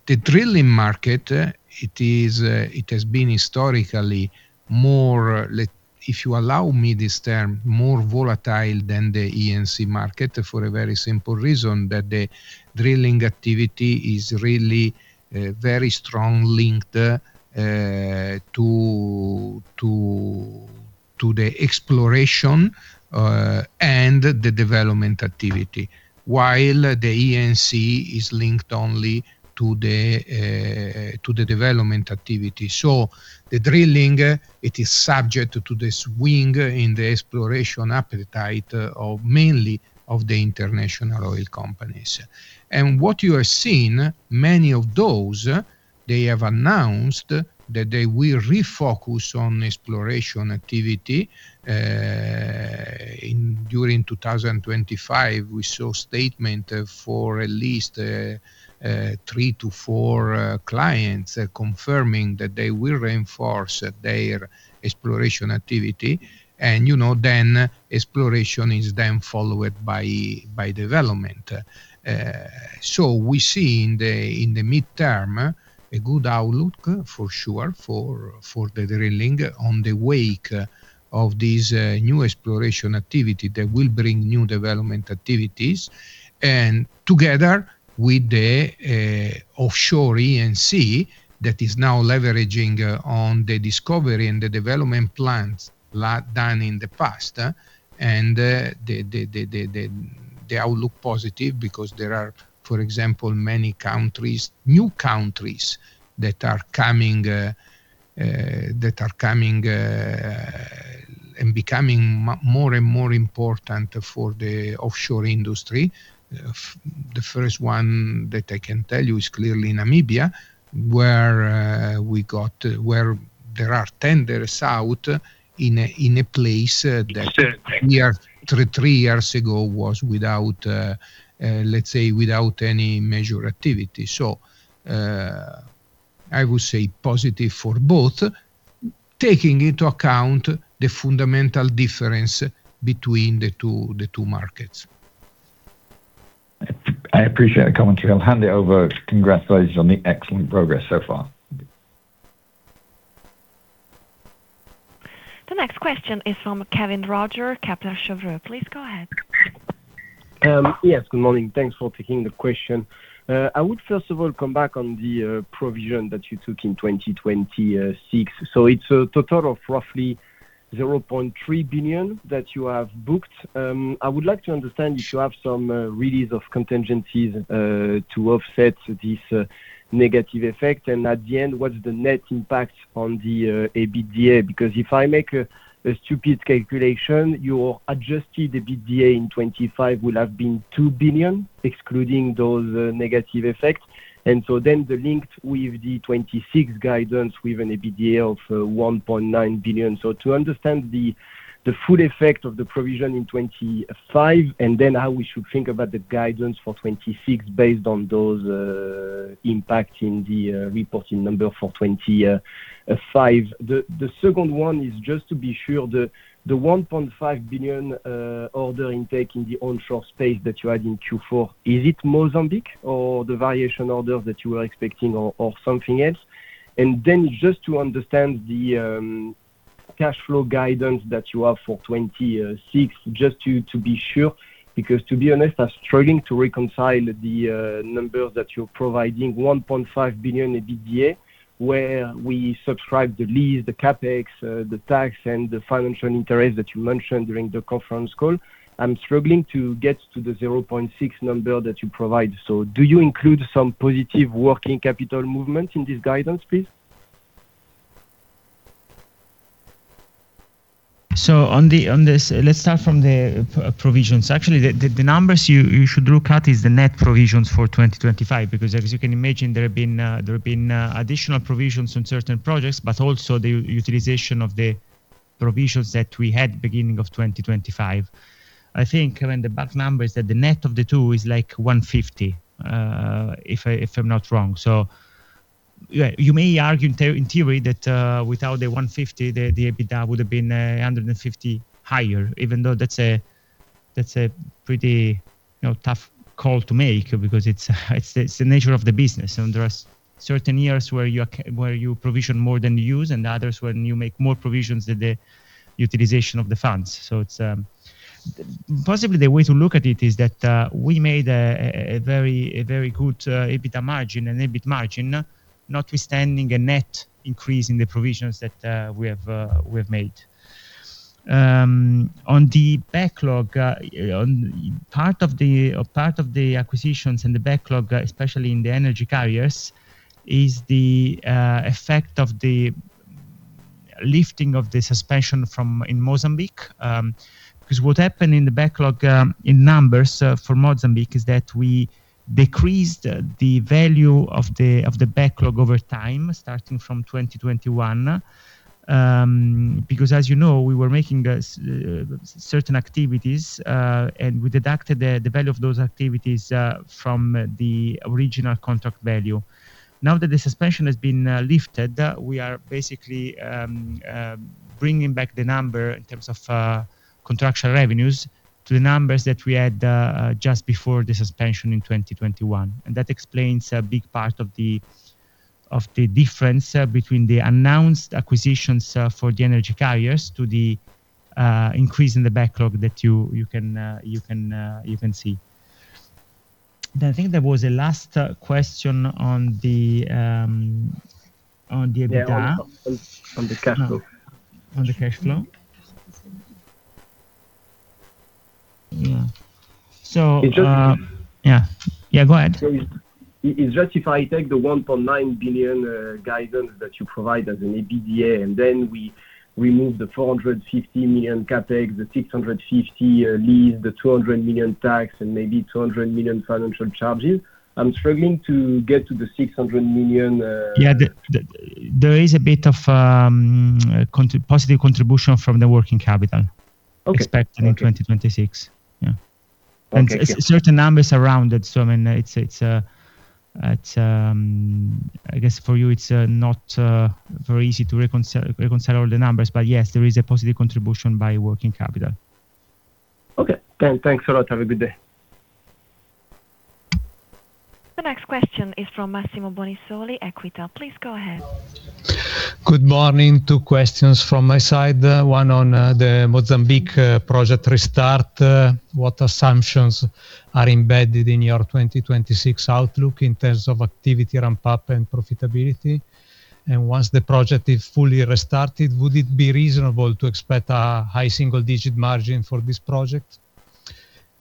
drilling market, it is, it has been historically more like, if you allow me this term, more volatile than the E&C market, for a very simple reason, that the drilling activity is really very strong linked to the exploration and the development activity. While the E&C is linked only to the development activity. The drilling, it is subject to the swing in the exploration appetite of mainly of the international oil companies. What you are seeing, many of those, they have announced that they will refocus on exploration activity. In during 2025, we saw statement of for at least, 3 to 4 clients confirming that they will reinforce their exploration activity, and, you know, then exploration is then followed by development. So we see in the, in the midterm, a good outlook, for sure, for the drilling on the wake of this new exploration activity that will bring new development activities. Together with the offshore E&C, that is now leveraging on the discovery and the development plans lot done in the past. The outlook positive because there are, for example, many countries, new countries that are coming that are coming and becoming more and more important for the offshore industry. The first one that I can tell you is clearly Namibia, where there are tenders out in a place that we are 3 years ago was without let's say, without any major activity. I would say positive for both, taking into account the fundamental difference between the two markets. I appreciate the commentary. I'll hand it over. Congratulations on the excellent progress so far. The next question is from Kevin Roger, Kepler Cheuvreux. Please go ahead. Yes, good morning. Thanks for taking the question. I would first of all come back on the provision that you took in 2026. It's a total of roughly 0.3 billion that you have booked. I would like to understand if you have some release of contingencies to offset this negative effect, and at the end, what's the net impact on the EBITDA? Because if I make a stupid calculation, your adjusted EBITDA in 2025 would have been 2 billion, excluding those negative effects. The link with the 2026 guidance with an EBITDA of 1.9 billion. To understand the full effect of the provision in 2025, and then how we should think about the guidance for 2026 based on those impact in the reporting number for 2025. The second one is just to be sure, the 1.5 billion order intake in the onshore space that you had in Q4, is it Mozambique or the variation orders that you were expecting or something else? Just to understand the cash flow guidance that you have for 2026, just to be sure, because to be honest, I'm struggling to reconcile the numbers that you're providing, 1.5 billion EBITDA, where we subscribe the lease, the CapEx, the tax, and the financial interest that you mentioned during the conference call. I'm struggling to get to the 0.6 number that you provide. Do you include some positive working capital movement in this guidance, please? On the, on this, let's start from the provisions. Actually, the numbers you should look at is the net provisions for 2025, because as you can imagine, there have been additional provisions on certain projects, but also the utilization of the provisions that we had beginning of 2025. I think when the back number is that the net of the two is like 150, if I'm not wrong. Yeah, you may argue in theory, that, without the 150, the EBITDA would have been 150 higher, even though that's a pretty, you know, tough call to make because it's the nature of the business, and there are certain years where you provision more than you use, and others when you make more provisions than the utilization of the funds. It's possibly the way to look at it is that, we made a very, very good EBITDA margin, an EBIT margin, notwithstanding a net increase in the provisions that, we have made. On the backlog, on part of the acquisitions and the backlog, especially in the Energy Carriers, is the effect of the lifting of the suspension from in Mozambique. Because what happened in the backlog, in numbers, for Mozambique is that we decreased the value of the backlog over time, starting from 2021. Because as you know, we were making certain activities, and we deducted the value of those activities from the original contract value. Now that the suspension has been lifted, we are basically bringing back the number in terms of contractual revenues to the numbers that we had just before the suspension in 2021, and that explains a big part of the. of the difference between the announced acquisitions for the Energy Carriers to the increase in the backlog that you can see. I think there was a last question on the EBITDA? Yeah, on the cash flow. On the cash flow? Yeah. It. Yeah. Yeah, go ahead. It justifies take the 1.9 billion guidance that you provided as an EBITDA, and then we remove the 450 million CapEx, the 650 lease, the 200 million tax, and maybe 200 million financial charges. I'm struggling to get to the 600 million. Yeah, the, there is a bit of positive contribution from the working capital. Okay. Expected in 2026. Yeah. Okay. Certain numbers around it, so, I mean, it's... I guess for you, it's not very easy to reconcile all the numbers, but yes, there is a positive contribution by working capital. Okay. Thanks a lot. Have a good day. The next question is from Massimo Bonisoli, Equita. Please go ahead. Good morning. Two questions from my side. One on the Mozambique project restart. What assumptions are embedded in your 2026 outlook in terms of activity, ramp-up, and profitability? Once the project is fully restarted, would it be reasonable to expect a high single-digit margin for this project?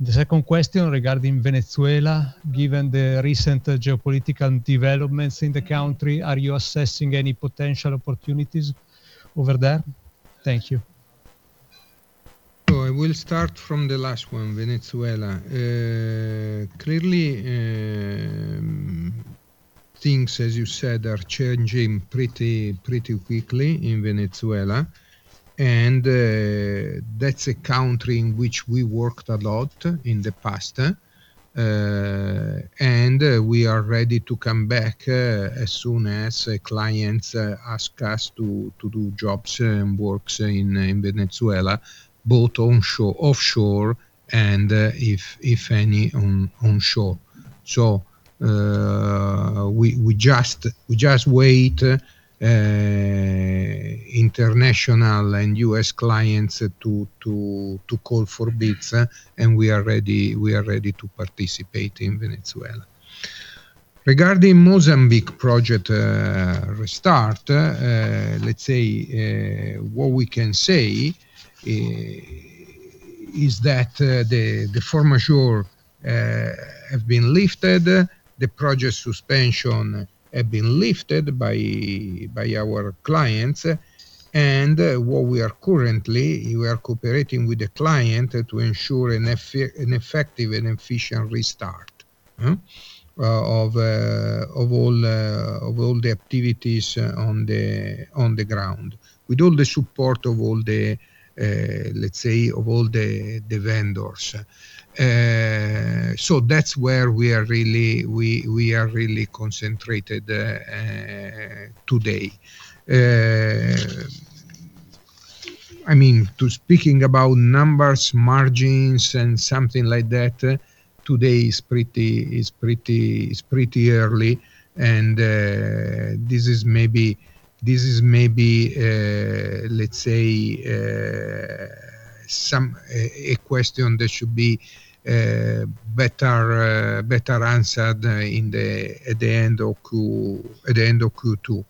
The second question regarding Venezuela, given the recent geopolitical developments in the country, are you assessing any potential opportunities over there? Thank you. I will start from the last one, Venezuela. Clearly, things, as you said, are changing pretty quickly in Venezuela, that's a country in which we worked a lot in the past, and we are ready to come back as soon as the clients ask us to do jobs and works in Venezuela, both offshore and, if any, onshore. We just wait international and U.S. clients to call for bids, and we are ready to participate in Venezuela. Regarding Mozambique project, restart, let's say, what we can say, is that the force majeure have been lifted, the project suspension have been lifted by our clients, and what we are currently, we are cooperating with the client to ensure an effective and efficient restart, of all the activities on the ground, with all the support of all the, let's say, of all the vendors. That's where we are really concentrated today. I mean, to speaking about numbers, margins and something like that, today is pretty early and this is maybe, let's say, some... A question that should be better answered in the, at the end of Q2.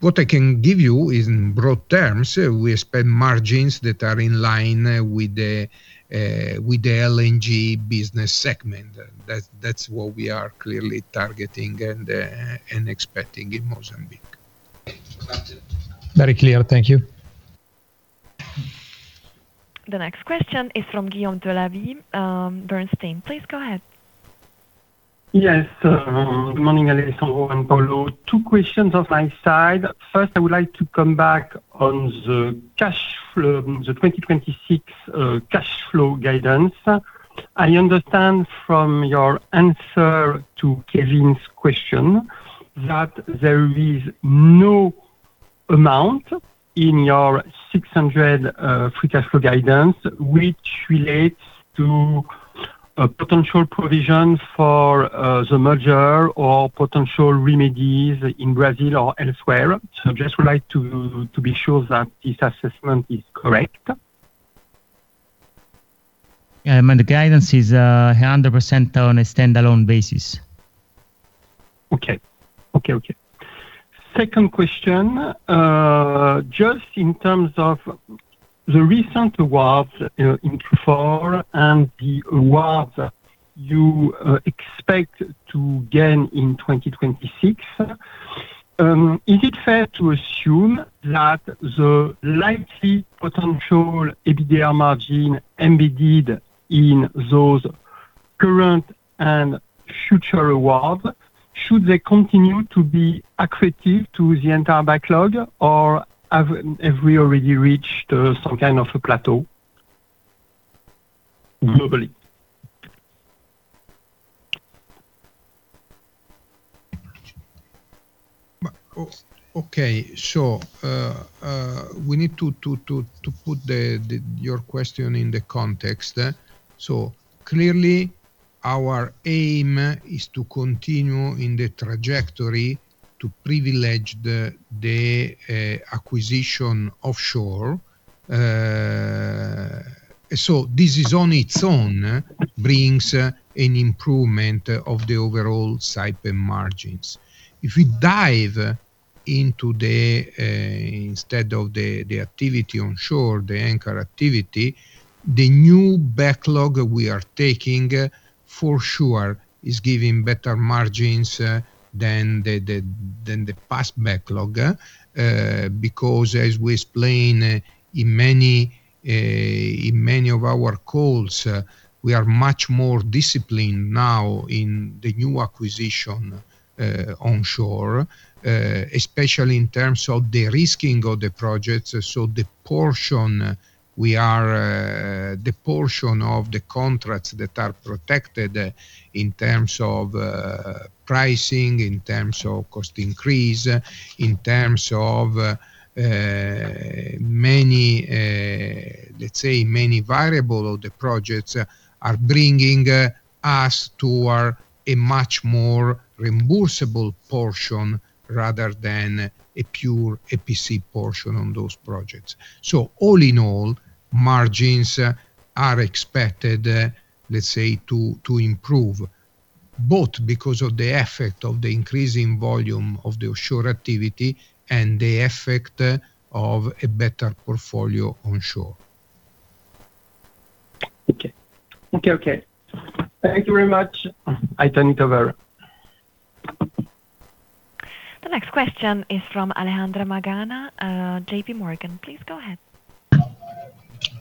What I can give you is in broad terms, we expect margins that are in line with the LNG business segment. That's what we are clearly targeting and expecting in Mozambique. Very clear. Thank you. The next question is from Guillaume Levy, Bernstein. Please go ahead. Yes. Good morning, Alessandro and Paolo. Two questions on my side. First, I would like to come back on the cash flow, the 2026 cash flow guidance. I understand from your answer to Kevin's question, that there is no amount in your 600 free cash flow guidance, which relates to potential provisions for the merger or potential remedies in Brazil or elsewhere. I just would like to be sure that this assessment is correct. Yeah, I mean, the guidance is, 100% on a standalone basis. Okay. Okay, okay. Second question. Just in terms of the recent awards, in Q4 and the awards you expect to gain in 2026, is it fair to assume that the likely potential EBITDA margin embedded in those current and future awards, should they continue to be accretive to the entire backlog, or have we already reached some kind of a plateau globally? Okay, sure. We need to put your question in the context. Clearly, our aim is to continue in the trajectory to privilege the acquisition offshore. This is on its own, brings an improvement of the overall Saipem margins. If we dive into the instead of the activity onshore, the anchor activity, the new backlog we are taking, for sure is giving better margins than the past backlog, because as we explain in many of our calls, we are much more disciplined now in the new acquisition onshore, especially in terms of the risking of the projects. The portion we are the portion of the contracts that are protected in terms of pricing, in terms of cost increase, in terms of many, let's say many variable of the projects, are bringing us toward a much more reimbursable portion rather than a pure EPC portion on those projects. All in all, margins are expected, let's say, to improve, both because of the effect of the increasing volume of the offshore activity and the effect of a better portfolio onshore. Okay. Thank you very much. I thank you very. The next question is from Alejandra Magana, JPMorgan. Please go ahead.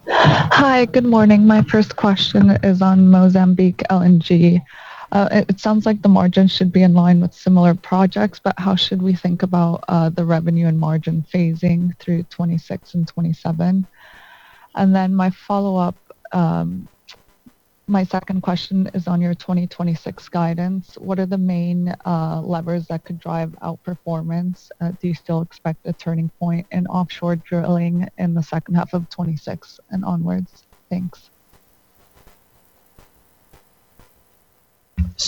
Hi, good morning. My first question is on Mozambique LNG. It sounds like the margin should be in line with similar projects, but how should we think about the revenue and margin phasing through 2026 and 2027? My follow-up, my second question is on your 2026 guidance. What are the main levers that could drive outperformance? Do you still expect a turning point in offshore drilling in the second half of 2026 and onwards? Thanks.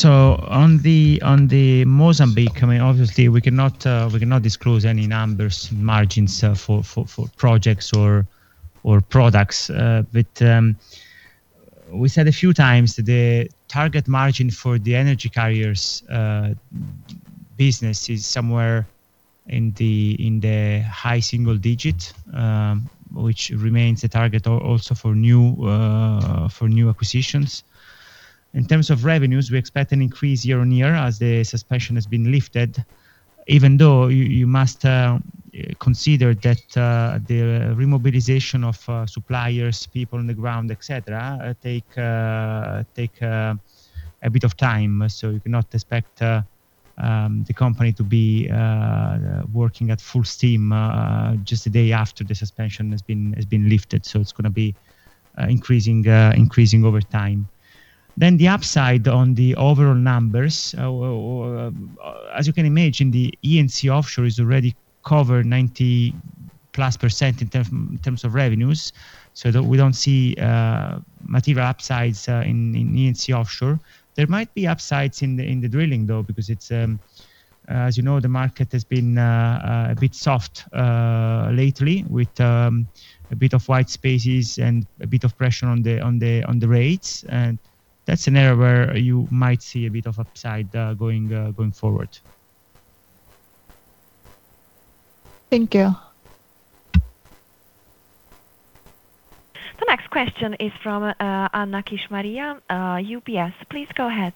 On the Mozambique, obviously, we cannot disclose any numbers, margins, for projects or products. We said a few times the target margin for the Energy Carriers business is somewhere in the high single digit, which remains the target also for new acquisitions. In terms of revenues, we expect an increase year-on-year as the suspension has been lifted, even though you must consider that the remobilization of suppliers, people on the ground, et cetera, take a bit of time. You cannot expect the company to be working at full steam just a day after the suspension has been lifted. It's gonna be increasing over time. The upside on the overall numbers, or, as you can imagine, the E&C offshore is already covered 90%+ in terms of revenues, so that we don't see material upsides in E&C offshore. There might be upsides in the drilling, though, because it's, as you know, the market has been a bit soft lately with a bit of wide spaces and a bit of pressure on the rates. That's an area where you might see a bit of upside going forward. Thank you. The next question is from Anna Kishmariya, UBS. Please go ahead.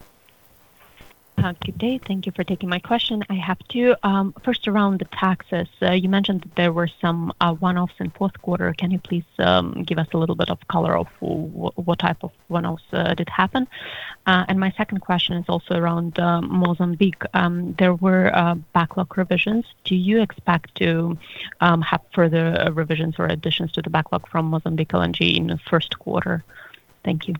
Thank you, Dave. Thank you for taking my question. I have two. First, around the taxes. You mentioned that there were some one-offs in fourth quarter. Can you please give us a little bit of color of what type of one-offs did happen? My second question is also around Mozambique. There were backlog revisions. Do you expect to have further revisions or additions to the backlog from Mozambique LNG in the first quarter? Thank you.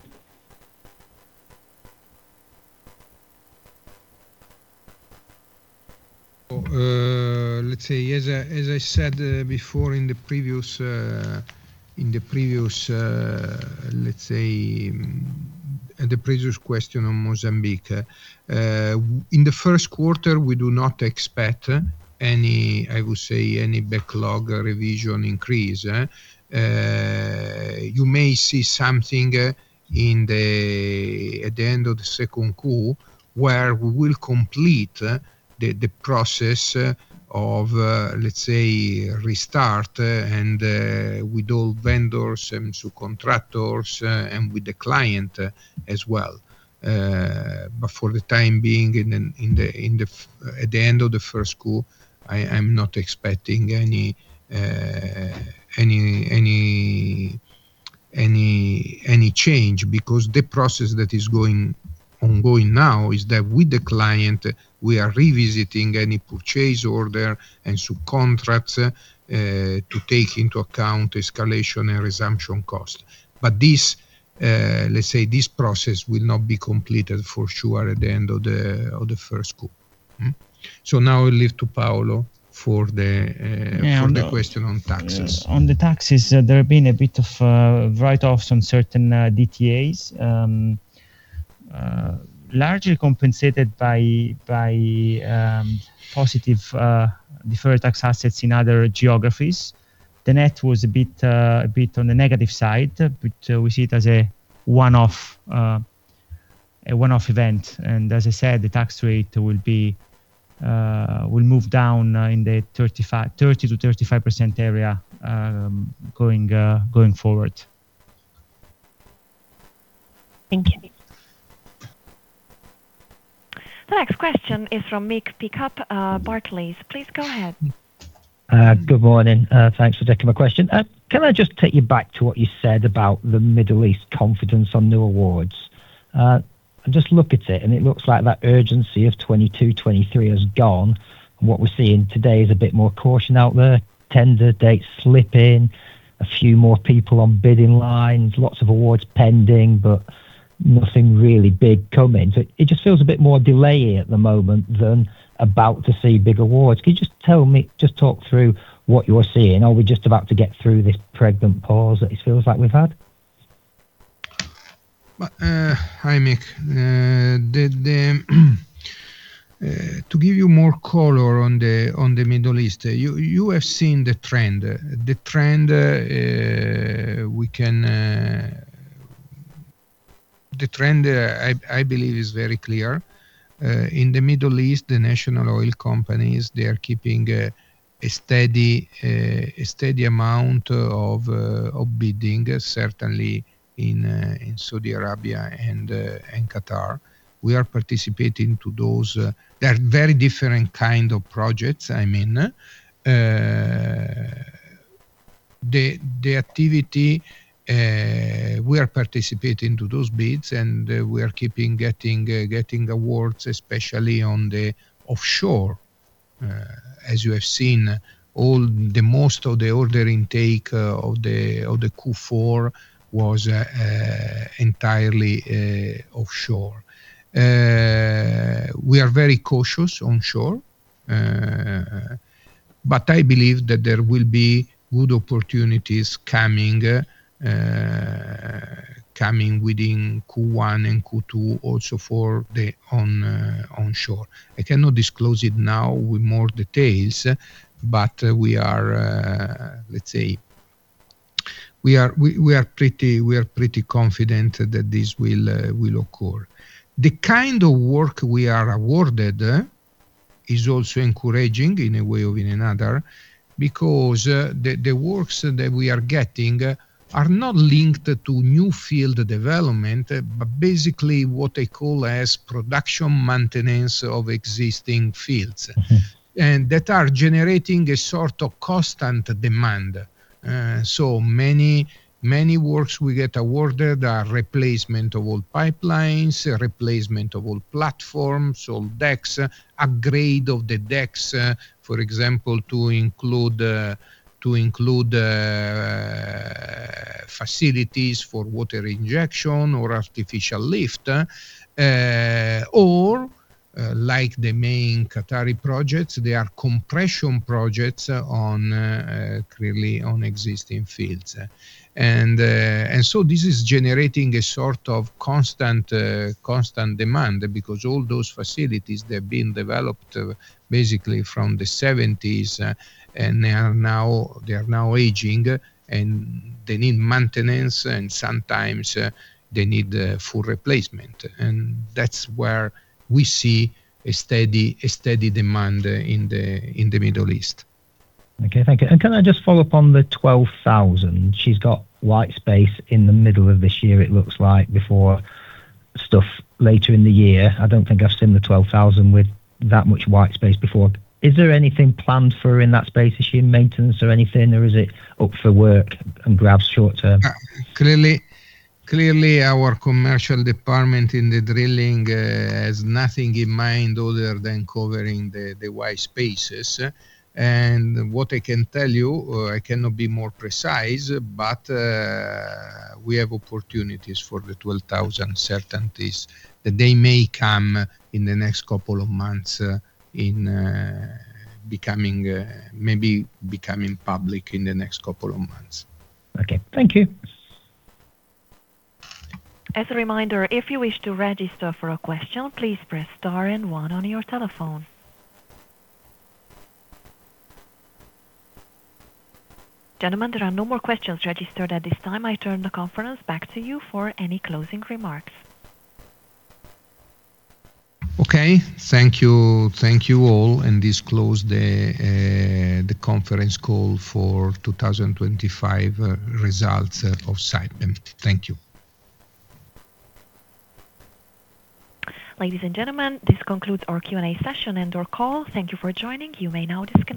Let's see. As I said before, in the previous, in the previous, let's say, the previous question on Mozambique. In the first quarter, we do not expect any, I would say, any backlog revision increase. You may see something in the... At the end of the second quarter, where we will complete the process of, let's say, restart, and with all vendors and subcontractors, and with the client as well. For the time being, in the, in the, at the end of the first quarter, I'm not expecting any change, because the process that is going, ongoing now is that with the client, we are revisiting any purchase order and subcontracts to take into account escalation and resumption costs. this, let's say, this process will not be completed for sure at the end of the, of the first quarter. Now I leave to Paolo for the question on taxes. On the taxes, there have been a bit of write-offs on certain DTAs. Largely compensated by positive Deferred Tax Assets in other geographies. The net was a bit on the negative side, but we see it as a one-off a one-off event. As I said, the tax rate will be will move down in the 30%-35% area going forward. Thank you. The next question is from Mick Pickup, Barclays. Please go ahead. Good morning, thanks for taking my question. Can I just take you back to what you said about the Middle East confidence on new awards? I just look at it, and it looks like that urgency of 2022, 2023 has gone, and what we're seeing today is a bit more caution out there. Tender dates slipping, a few more people on bidding lines, lots of awards pending, but nothing really big coming. It just feels a bit more delay at the moment than about to see big awards. Can you just tell me, just talk through what you're seeing, or are we just about to get through this pregnant pause that it feels like we've had? Hi, Mick. To give you more color on the Middle East, you have seen the trend. The trend, I believe is very clear. In the Middle East, the national oil companies, they are keeping a steady amount of bidding, certainly in Saudi Arabia and Qatar. We are participating to those, they are very different kind of projects, I mean. The activity, we are participating to those bids, and we are keeping getting awards, especially on the offshore. As you have seen, the most of the order intake of the Q4 was entirely offshore. We are very cautious onshore, but I believe that there will be good opportunities coming within Q1 and Q2, also for the onshore. I cannot disclose it now with more details, but we are, let's say, we are pretty confident that this will occur. The kind of work we are awarded is also encouraging in a way or in another, because, the works that we are getting are not linked to new field development, but basically what I call as production maintenance of existing fields. Mm-hmm. That are generating a sort of constant demand. So many works we get awarded are replacement of old pipelines, replacement of old platforms, old decks, upgrade of the decks, for example, to include facilities for water injection or artificial lift, or like the main Qatari projects, they are compression projects on clearly on existing fields. This is generating a sort of constant demand, because all those facilities, they're being developed basically from the seventies, and they are now aging, and they need maintenance, and sometimes they need a full replacement. That's where we see a steady demand in the Middle East. Okay. Thank you. Can I just follow up on the Saipem 12000? She's got white space in the middle of this year it looks like before stuff later in the year. I don't think I've seen the Saipem 12000 with that much white space before. Is there anything planned for in that space, issue, maintenance or anything, or is it up for work and grabs short term? Clearly, our commercial department in the drilling has nothing in mind other than covering the wide spaces. What I can tell you, I cannot be more precise, but we have opportunities for the Saipem 12000 certainties, that they may come in the next couple of months, in maybe becoming public in the next couple of months. Okay. Thank you. As a reminder, if you wish to register for a question, please press star and one on your telephone. Gentlemen, there are no more questions registered at this time. I turn the conference back to you for any closing remarks. Okay. Thank you, thank you all, and this closes the conference call for 2025 results of Saipem. Thank you. Ladies and gentlemen, this concludes our Q&A session and our call. Thank you for joining. You may now disconnect.